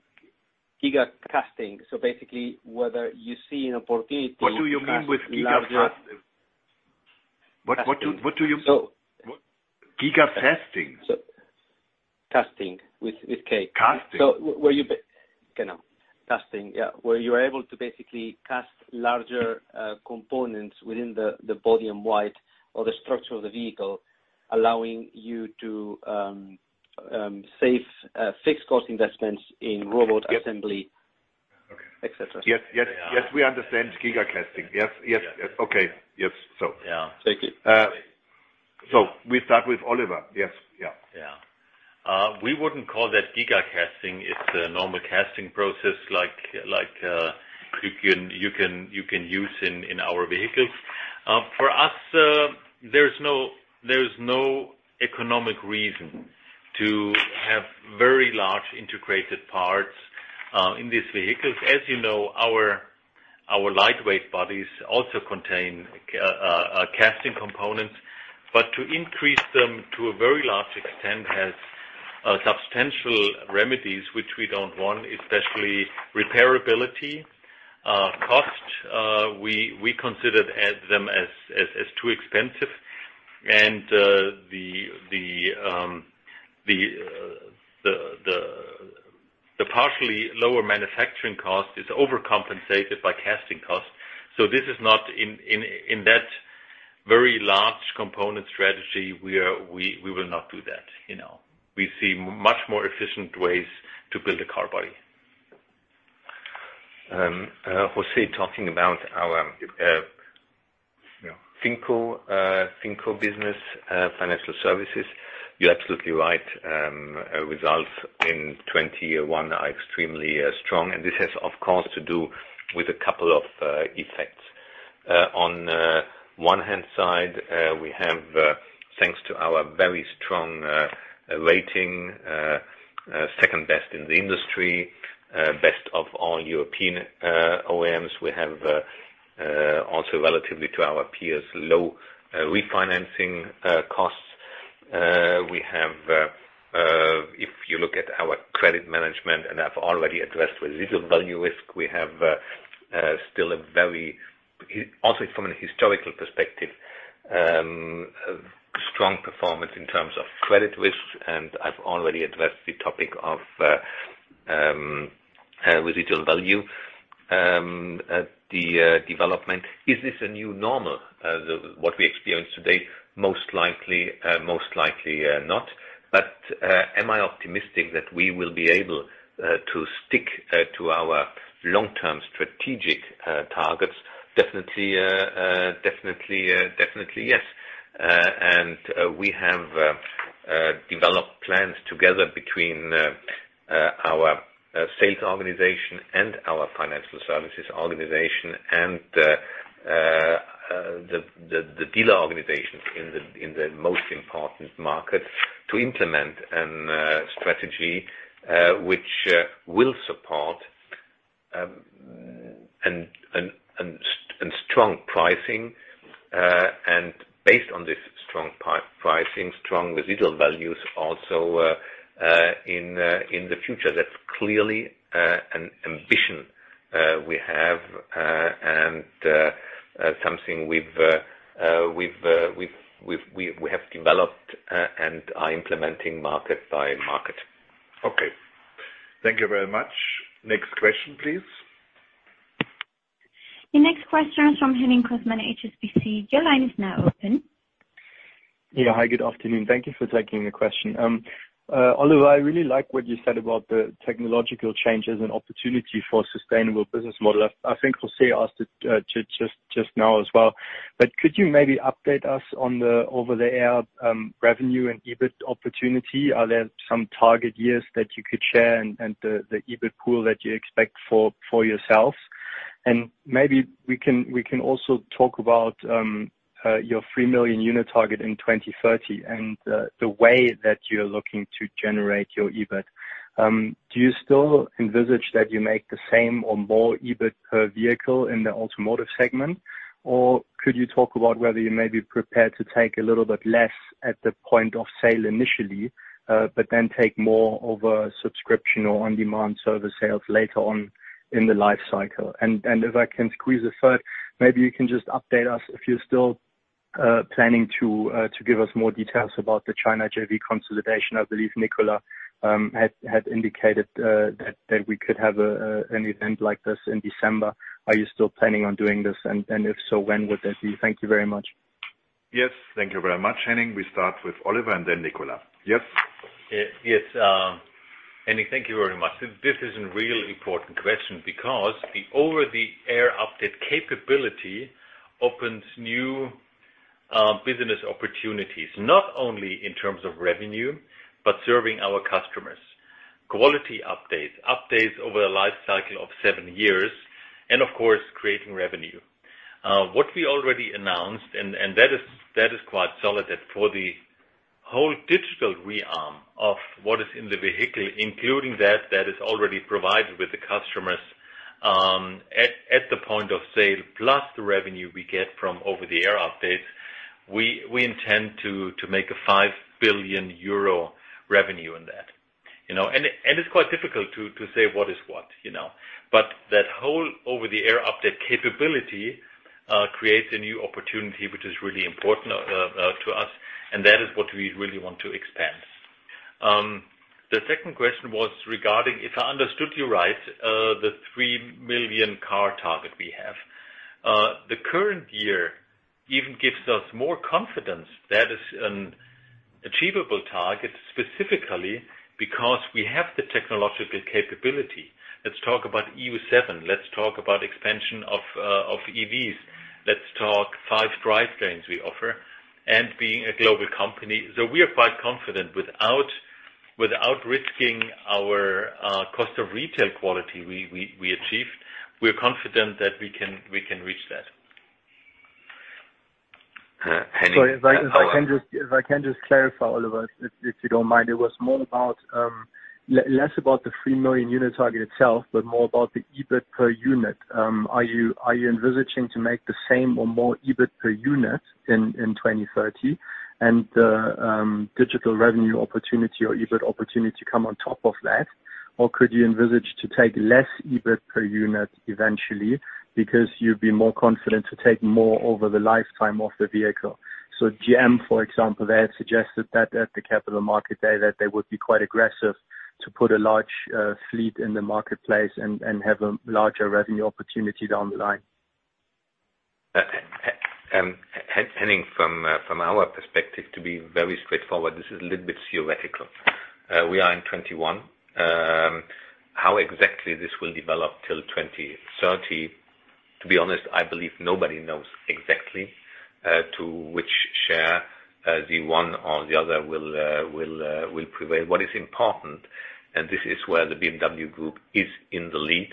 Giga casting. Basically, whether you see an opportunity to cast larger What do you mean with gigacasting? What do you Gigacasting? Casting with K. Casting. You know, casting, yeah. Where you're able to basically cast larger components within the body in white, or the structure of the vehicle, allowing you to save fixed cost investments in robot assembly, et cetera. Yes, we understand gigacasting. Yes. Okay. Yes. Yeah. Thank you. We start with Oliver. Yes. Yeah. Yeah. We wouldn't call that giga casting. It's a normal casting process you can use in our vehicles. For us, there's no economic reason to have very large integrated parts in these vehicles. As you know, our lightweight bodies also contain casting components, but to increase them to a very large extent has substantial remedies which we don't want, especially repairability cost. We consider them as too expensive. The partially lower manufacturing cost is overcompensated by casting costs. This is not in that very large component strategy. We will not do that, you know. We see much more efficient ways to build a car body. Jose, talking about our FinCo business, financial services, you're absolutely right. Our results in 2021 are extremely strong, and this has of course to do with a couple of effects. On the one hand, we have, thanks to our very strong rating, second best in the industry, best of all European OEMs, we have also relative to our peers, low refinancing costs. If you look at our credit management, and I've already addressed residual value risk, we have still a very strong performance also from a historical perspective in terms of credit risk, and I've already addressed the topic of residual value at the development. Is this a new normal, what we experience today? Most likely, not. Am I optimistic that we will be able to stick to our long-term strategic targets? Definitely yes. We have developed plans together between our sales organization and our financial services organization and the dealer organizations in the most important markets to implement a strategy which will support and strong pricing and based on this strong pricing, strong residual values also in the future. That's clearly an ambition we have and something we've developed and are implementing market by market. Okay. Thank you very much. Next question, please. The next question is from Henning Cosman, HSBC. Your line is now open. Yeah. Hi, good afternoon. Thank you for taking the question. Oliver, I really like what you said about the technological change as an opportunity for sustainable business model. I think Jose asked it just now as well. Could you maybe update us on the over-the-air revenue and EBIT opportunity? Are there some target years that you could share and the EBIT pool that you expect for yourselves? And maybe we can also talk about your 3 million unit target in 2030 and the way that you are looking to generate your EBIT. Do you still envisage that you make the same or more EBIT per vehicle in the automotive segment? Could you talk about whether you may be prepared to take a little bit less at the point of sale initially, but then take more over subscription or on-demand service sales later on in the life cycle? If I can squeeze a third, maybe you can just update us if you're still planning to give us more details about the China JV consolidation. I believe Nicolas had indicated that we could have an event like this in December. Are you still planning on doing this? If so, when would that be? Thank you very much. Yes. Thank you very much, Henning. We start with Oliver and then Nicolas. Yes. Yes. Henning, thank you very much. This is a really important question because the over-the-air update capability opens new business opportunities, not only in terms of revenue, but serving our customers. Quality updates over a life cycle of seven years, and of course, creating revenue. What we already announced, and that is quite solid, that for the whole digital realm of what is in the vehicle, including that that is already provided with the customers at the point of sale, plus the revenue we get from over-the-air updates, we intend to make a 5 billion euro revenue in that. You know, and it's quite difficult to say what is what, you know. That whole over-the-air update capability creates a new opportunity which is really important to us, and that is what we really want to expand. The second question was regarding, if I understood you right, the 3 million car target we have. The current year even gives us more confidence that is an achievable target, specifically because we have the technological capability. Let's talk about Euro 7. Let's talk about expansion of EVs. Let's talk five drivetrains we offer and being a global company. We are quite confident without risking our cost of retail quality we achieved, we're confident that we can reach that. If I can just clarify, Oliver, if you don't mind. It was more about less about the 3 million unit target itself, but more about the EBIT per unit. Are you envisaging to make the same or more EBIT per unit in 2030? The digital revenue opportunity or EBIT opportunity come on top of that? Or could you envisage to take less EBIT per unit eventually because you'd be more confident to take more over the lifetime of the vehicle? GM, for example, they have suggested that at the capital market day that they would be quite aggressive to put a large fleet in the marketplace and have a larger revenue opportunity down the line. Henning, from our perspective, to be very straightforward, this is a little bit theoretical. We are in 2021. How exactly this will develop till 2030, to be honest, I believe nobody knows exactly, to which share, the one or the other will prevail. What is important, this is where the BMW Group is in the lead,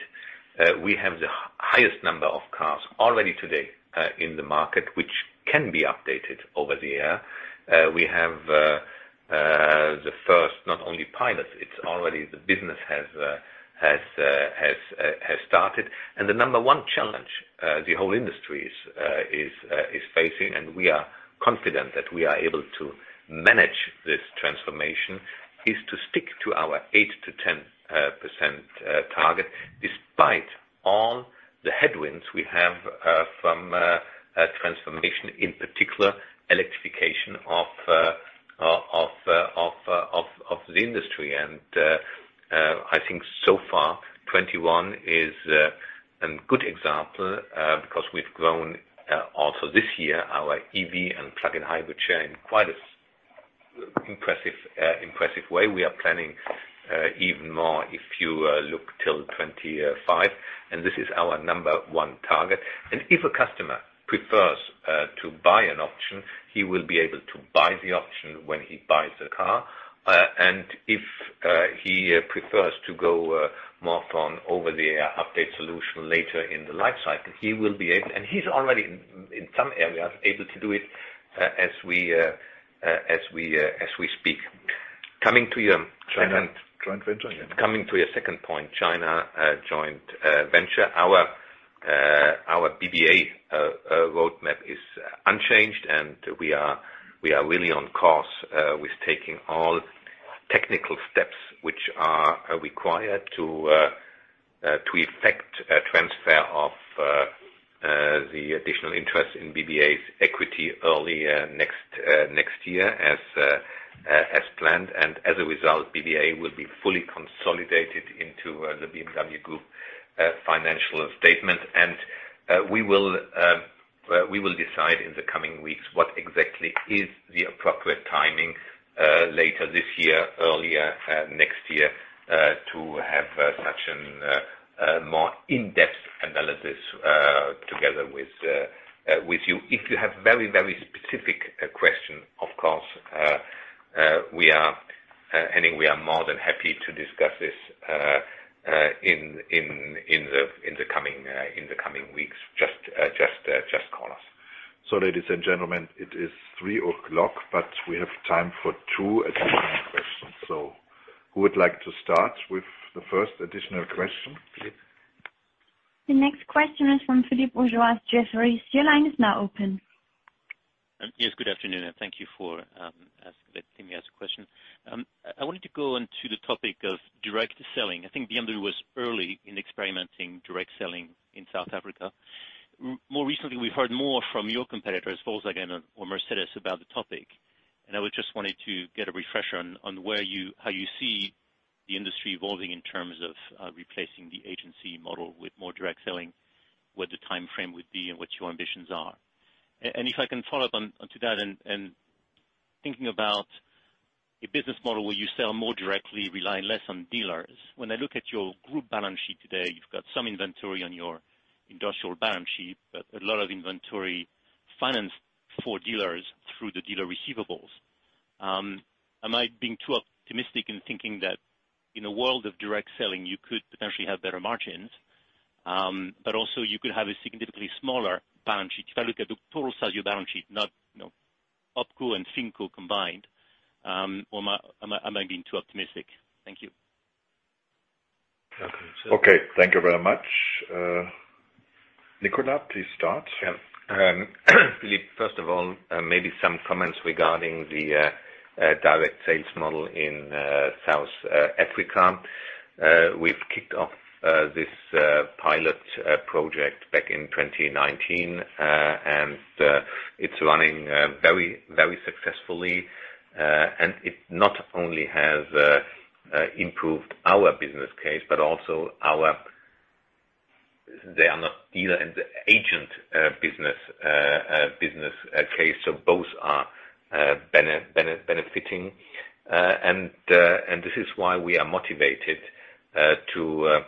we have the highest number of cars already today in the market, which can be updated over-the-air. We have the first not only pilot, it's already the business has started. The number one challenge the whole industry is facing, and we are confident that we are able to manage this transformation, is to stick to our 8%-10% target despite all the headwinds we have from transformation, in particular, electrification of the industry. I think so far 2021 is a good example because we've grown also this year our EV and plug-in hybrid share in a quite impressive way. We are planning even more if you look till 2025, and this is our number one target. If a customer prefers to buy an option, he will be able to buy the option when he buys the car. If he prefers to go more on over-the-air update solution later in the life cycle, he's already in some areas able to do it, as we speak. Coming to your second China joint venture. Coming to your second point, China joint venture. Our BBA roadmap is unchanged, and we are really on course with taking all technical steps which are required to effect a transfer of the additional interest in BBA's equity early next year as planned. As a result, BBA will be fully consolidated into the BMW Group financial statement. We will decide in the coming weeks what exactly is the appropriate timing later this year, earlier next year to have such a more in-depth analysis together with you. If you have very specific question, of course, we are, Henning, more than happy to discuss this in the coming weeks. Just call us. Ladies and gentlemen, it is 3:00 P.M., but we have time for two additional questions. Who would like to start with the first additional question, please? The next question is from Philippe Houchois, Jefferies. Your line is now open. Yes, good afternoon, and thank you for letting me ask a question. I wanted to go on to the topic of direct selling. I think BMW was early in experimenting direct selling in South Africa. More recently, we've heard more from your competitors, Volkswagen or Mercedes-Benz, about the topic. I was just wanting to get a refresher on how you see the industry evolving in terms of replacing the agency model with more direct selling, what the timeframe would be and what your ambitions are. If I can follow up on that and thinking about a business model where you sell more directly, rely less on dealers. When I look at your group balance sheet today, you've got some inventory on your industrial balance sheet, but a lot of inventory financed for dealers through the dealer receivables. Am I being too optimistic in thinking that in a world of direct selling, you could potentially have better margins, but also you could have a significantly smaller balance sheet? If I look at the total size of your balance sheet, not, you know, OpCo and FinCo combined, or am I being too optimistic? Thank you. Okay. Okay. Thank you very much. Nicolas, please start. Yeah. Philippe, first of all, maybe some comments regarding the direct sales model in South Africa. We've kicked off this pilot project back in 2019, and it's running very, very successfully. It not only has improved our business case, but also our dealer and agent business case. So both are benefiting. This is why we are motivated to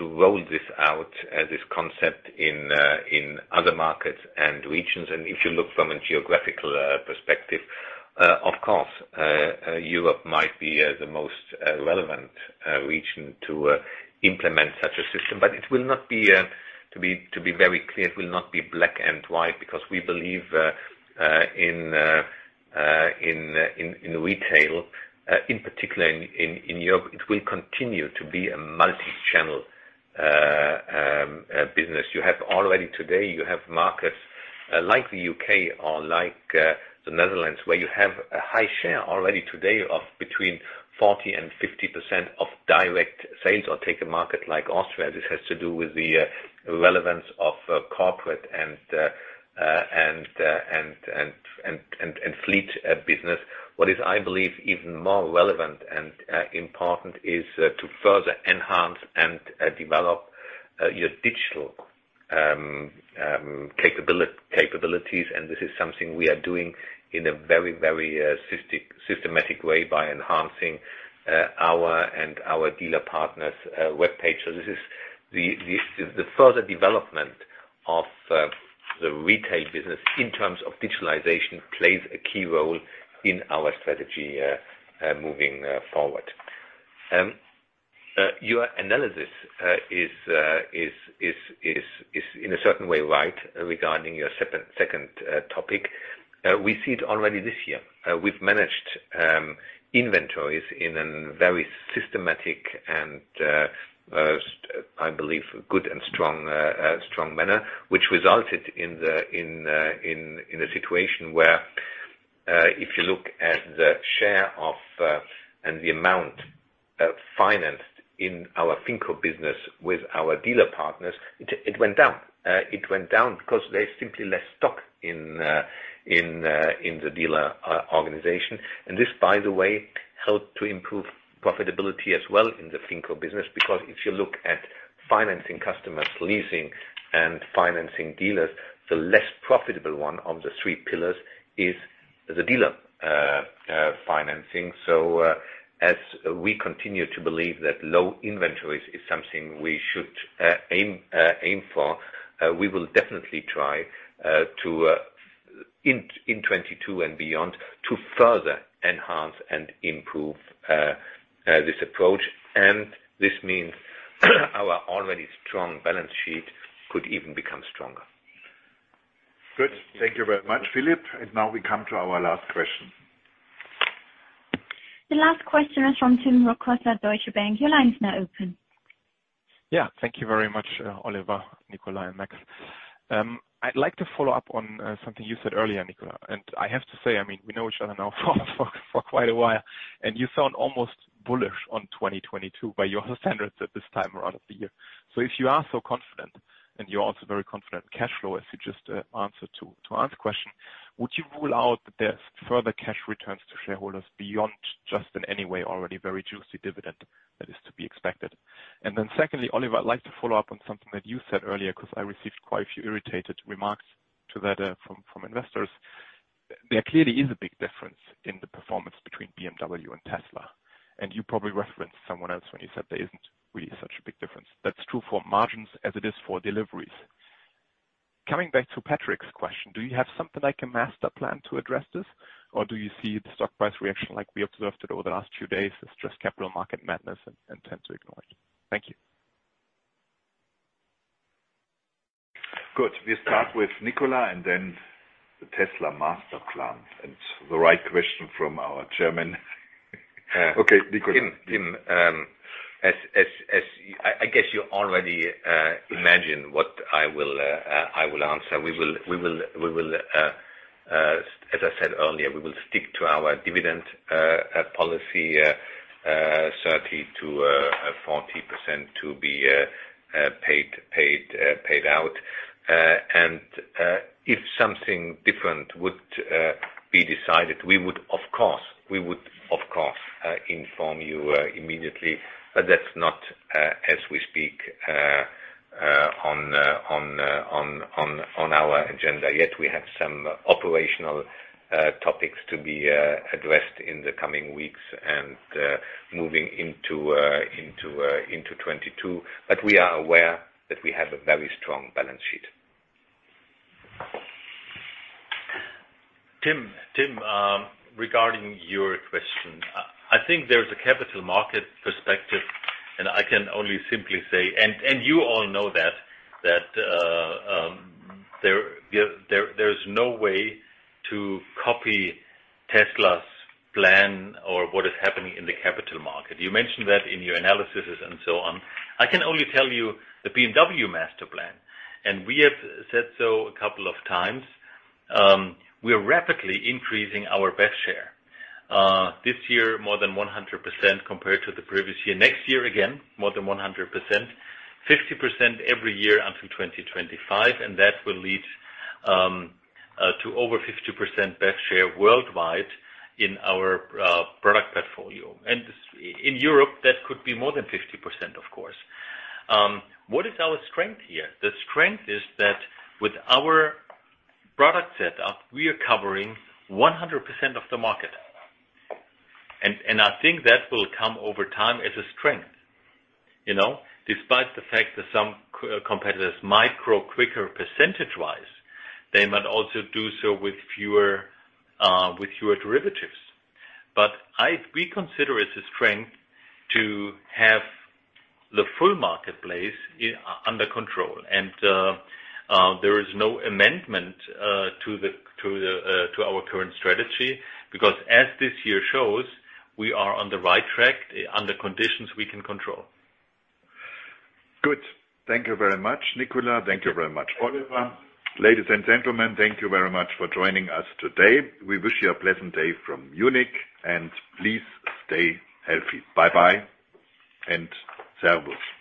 roll out this concept in other markets and regions. If you look from a geographical perspective, of course, Europe might be the most relevant region to implement such a system. To be very clear, it will not be black and white because we believe in retail, in particular in Europe, it will continue to be a multi-channel business. You have already today markets like the U.K. or like the Netherlands, where you have a high share already today of between 40%-50% of direct sales, or take a market like Austria. This has to do with the relevance of corporate and fleet business. What I believe is even more relevant and important is to further enhance and develop your digital capabilities. This is something we are doing in a very systematic way by enhancing our and our dealer partners' webpage. This is the further development of the retail business in terms of digitization plays a key role in our strategy moving forward. Your analysis is in a certain way right regarding your second topic. We see it already this year. We've managed inventories in a very systematic and I believe good and strong manner, which resulted in a situation where if you look at the share and the amount financed in our FinCo business with our dealer partners, it went down. It went down because there's simply less stock in the dealer organization. This by the way, helped to improve profitability as well in the FinCo business. Because if you look at financing customers leasing and financing dealers, the less profitable one of the three pillars is the dealer financing. As we continue to believe that low inventories is something we should aim for, we will definitely try to in 2022 and beyond, to further enhance and improve this approach. This means our already strong balance sheet could even become stronger. Good. Thank you very much, Philippe. Now we come to our last question. The last question is from Tim Rokossa at Deutsche Bank. Your line's now open. Yeah. Thank you very much, Oliver, Nicolas, and Max. I'd like to follow up on something you said earlier, Nicolas. I have to say, I mean, we know each other now for quite a while, and you sound almost bullish on 2022 by your standards at this time around of the year. If you are so confident, and you're also very confident cash flow, as you just answered to Arndt's question, would you rule out that there's further cash returns to shareholders beyond just in any way already very juicy dividend that is to be expected? Then secondly, Oliver, I'd like to follow up on something that you said earlier, 'cause I received quite a few irritated remarks to that from investors. There clearly is a big difference in the performance between BMW and Tesla, and you probably referenced someone else when you said there isn't really such a big difference. That's true for margins as it is for deliveries. Coming back to Patrick's question, do you have something like a master plan to address this? Or do you see the stock price reaction like we observed it over the last few days as just capital market madness and tend to ignore it? Thank you. Good. We start with Nicolas and then the Tesla master plan. It's the right question from our chairman. Okay, Nicolas. Tim, as I guess you already imagine what I will answer. We will, as I said earlier, stick to our dividend policy, 30%-40% to be paid out. If something different would be decided, we would of course inform you immediately. That's not, as we speak, on our agenda yet. We have some operational topics to be addressed in the coming weeks and moving into 2022. We are aware that we have a very strong balance sheet. Tim, regarding your question, I think there's a capital market perspective, and I can only simply say. You all know that, there's no way to copy Tesla's plan or what is happening in the capital market. You mentioned that in your analyses and so on. I can only tell you the BMW master plan, and we have said so a couple of times. We are rapidly increasing our BEV share. This year more than 100% compared to the previous year. Next year, again, more than 100%. 50% every year until 2025, and that will lead to over 50% BEV share worldwide in our product portfolio. In Europe, that could be more than 50%, of course. What is our strength here? The strength is that with our product set up, we are covering 100% of the market. I think that will come over time as a strength. You know? Despite the fact that some competitors might grow quicker percentage-wise, they might also do so with fewer derivatives. We consider it a strength to have the full marketplace under control. There is no amendment to our current strategy. Because as this year shows, we are on the right track under conditions we can control. Good. Thank you very much, Nicolas. Thank you very much, Oliver. Ladies and gentlemen, thank you very much for joining us today. We wish you a pleasant day from Munich, and please stay healthy. Bye-bye and servus.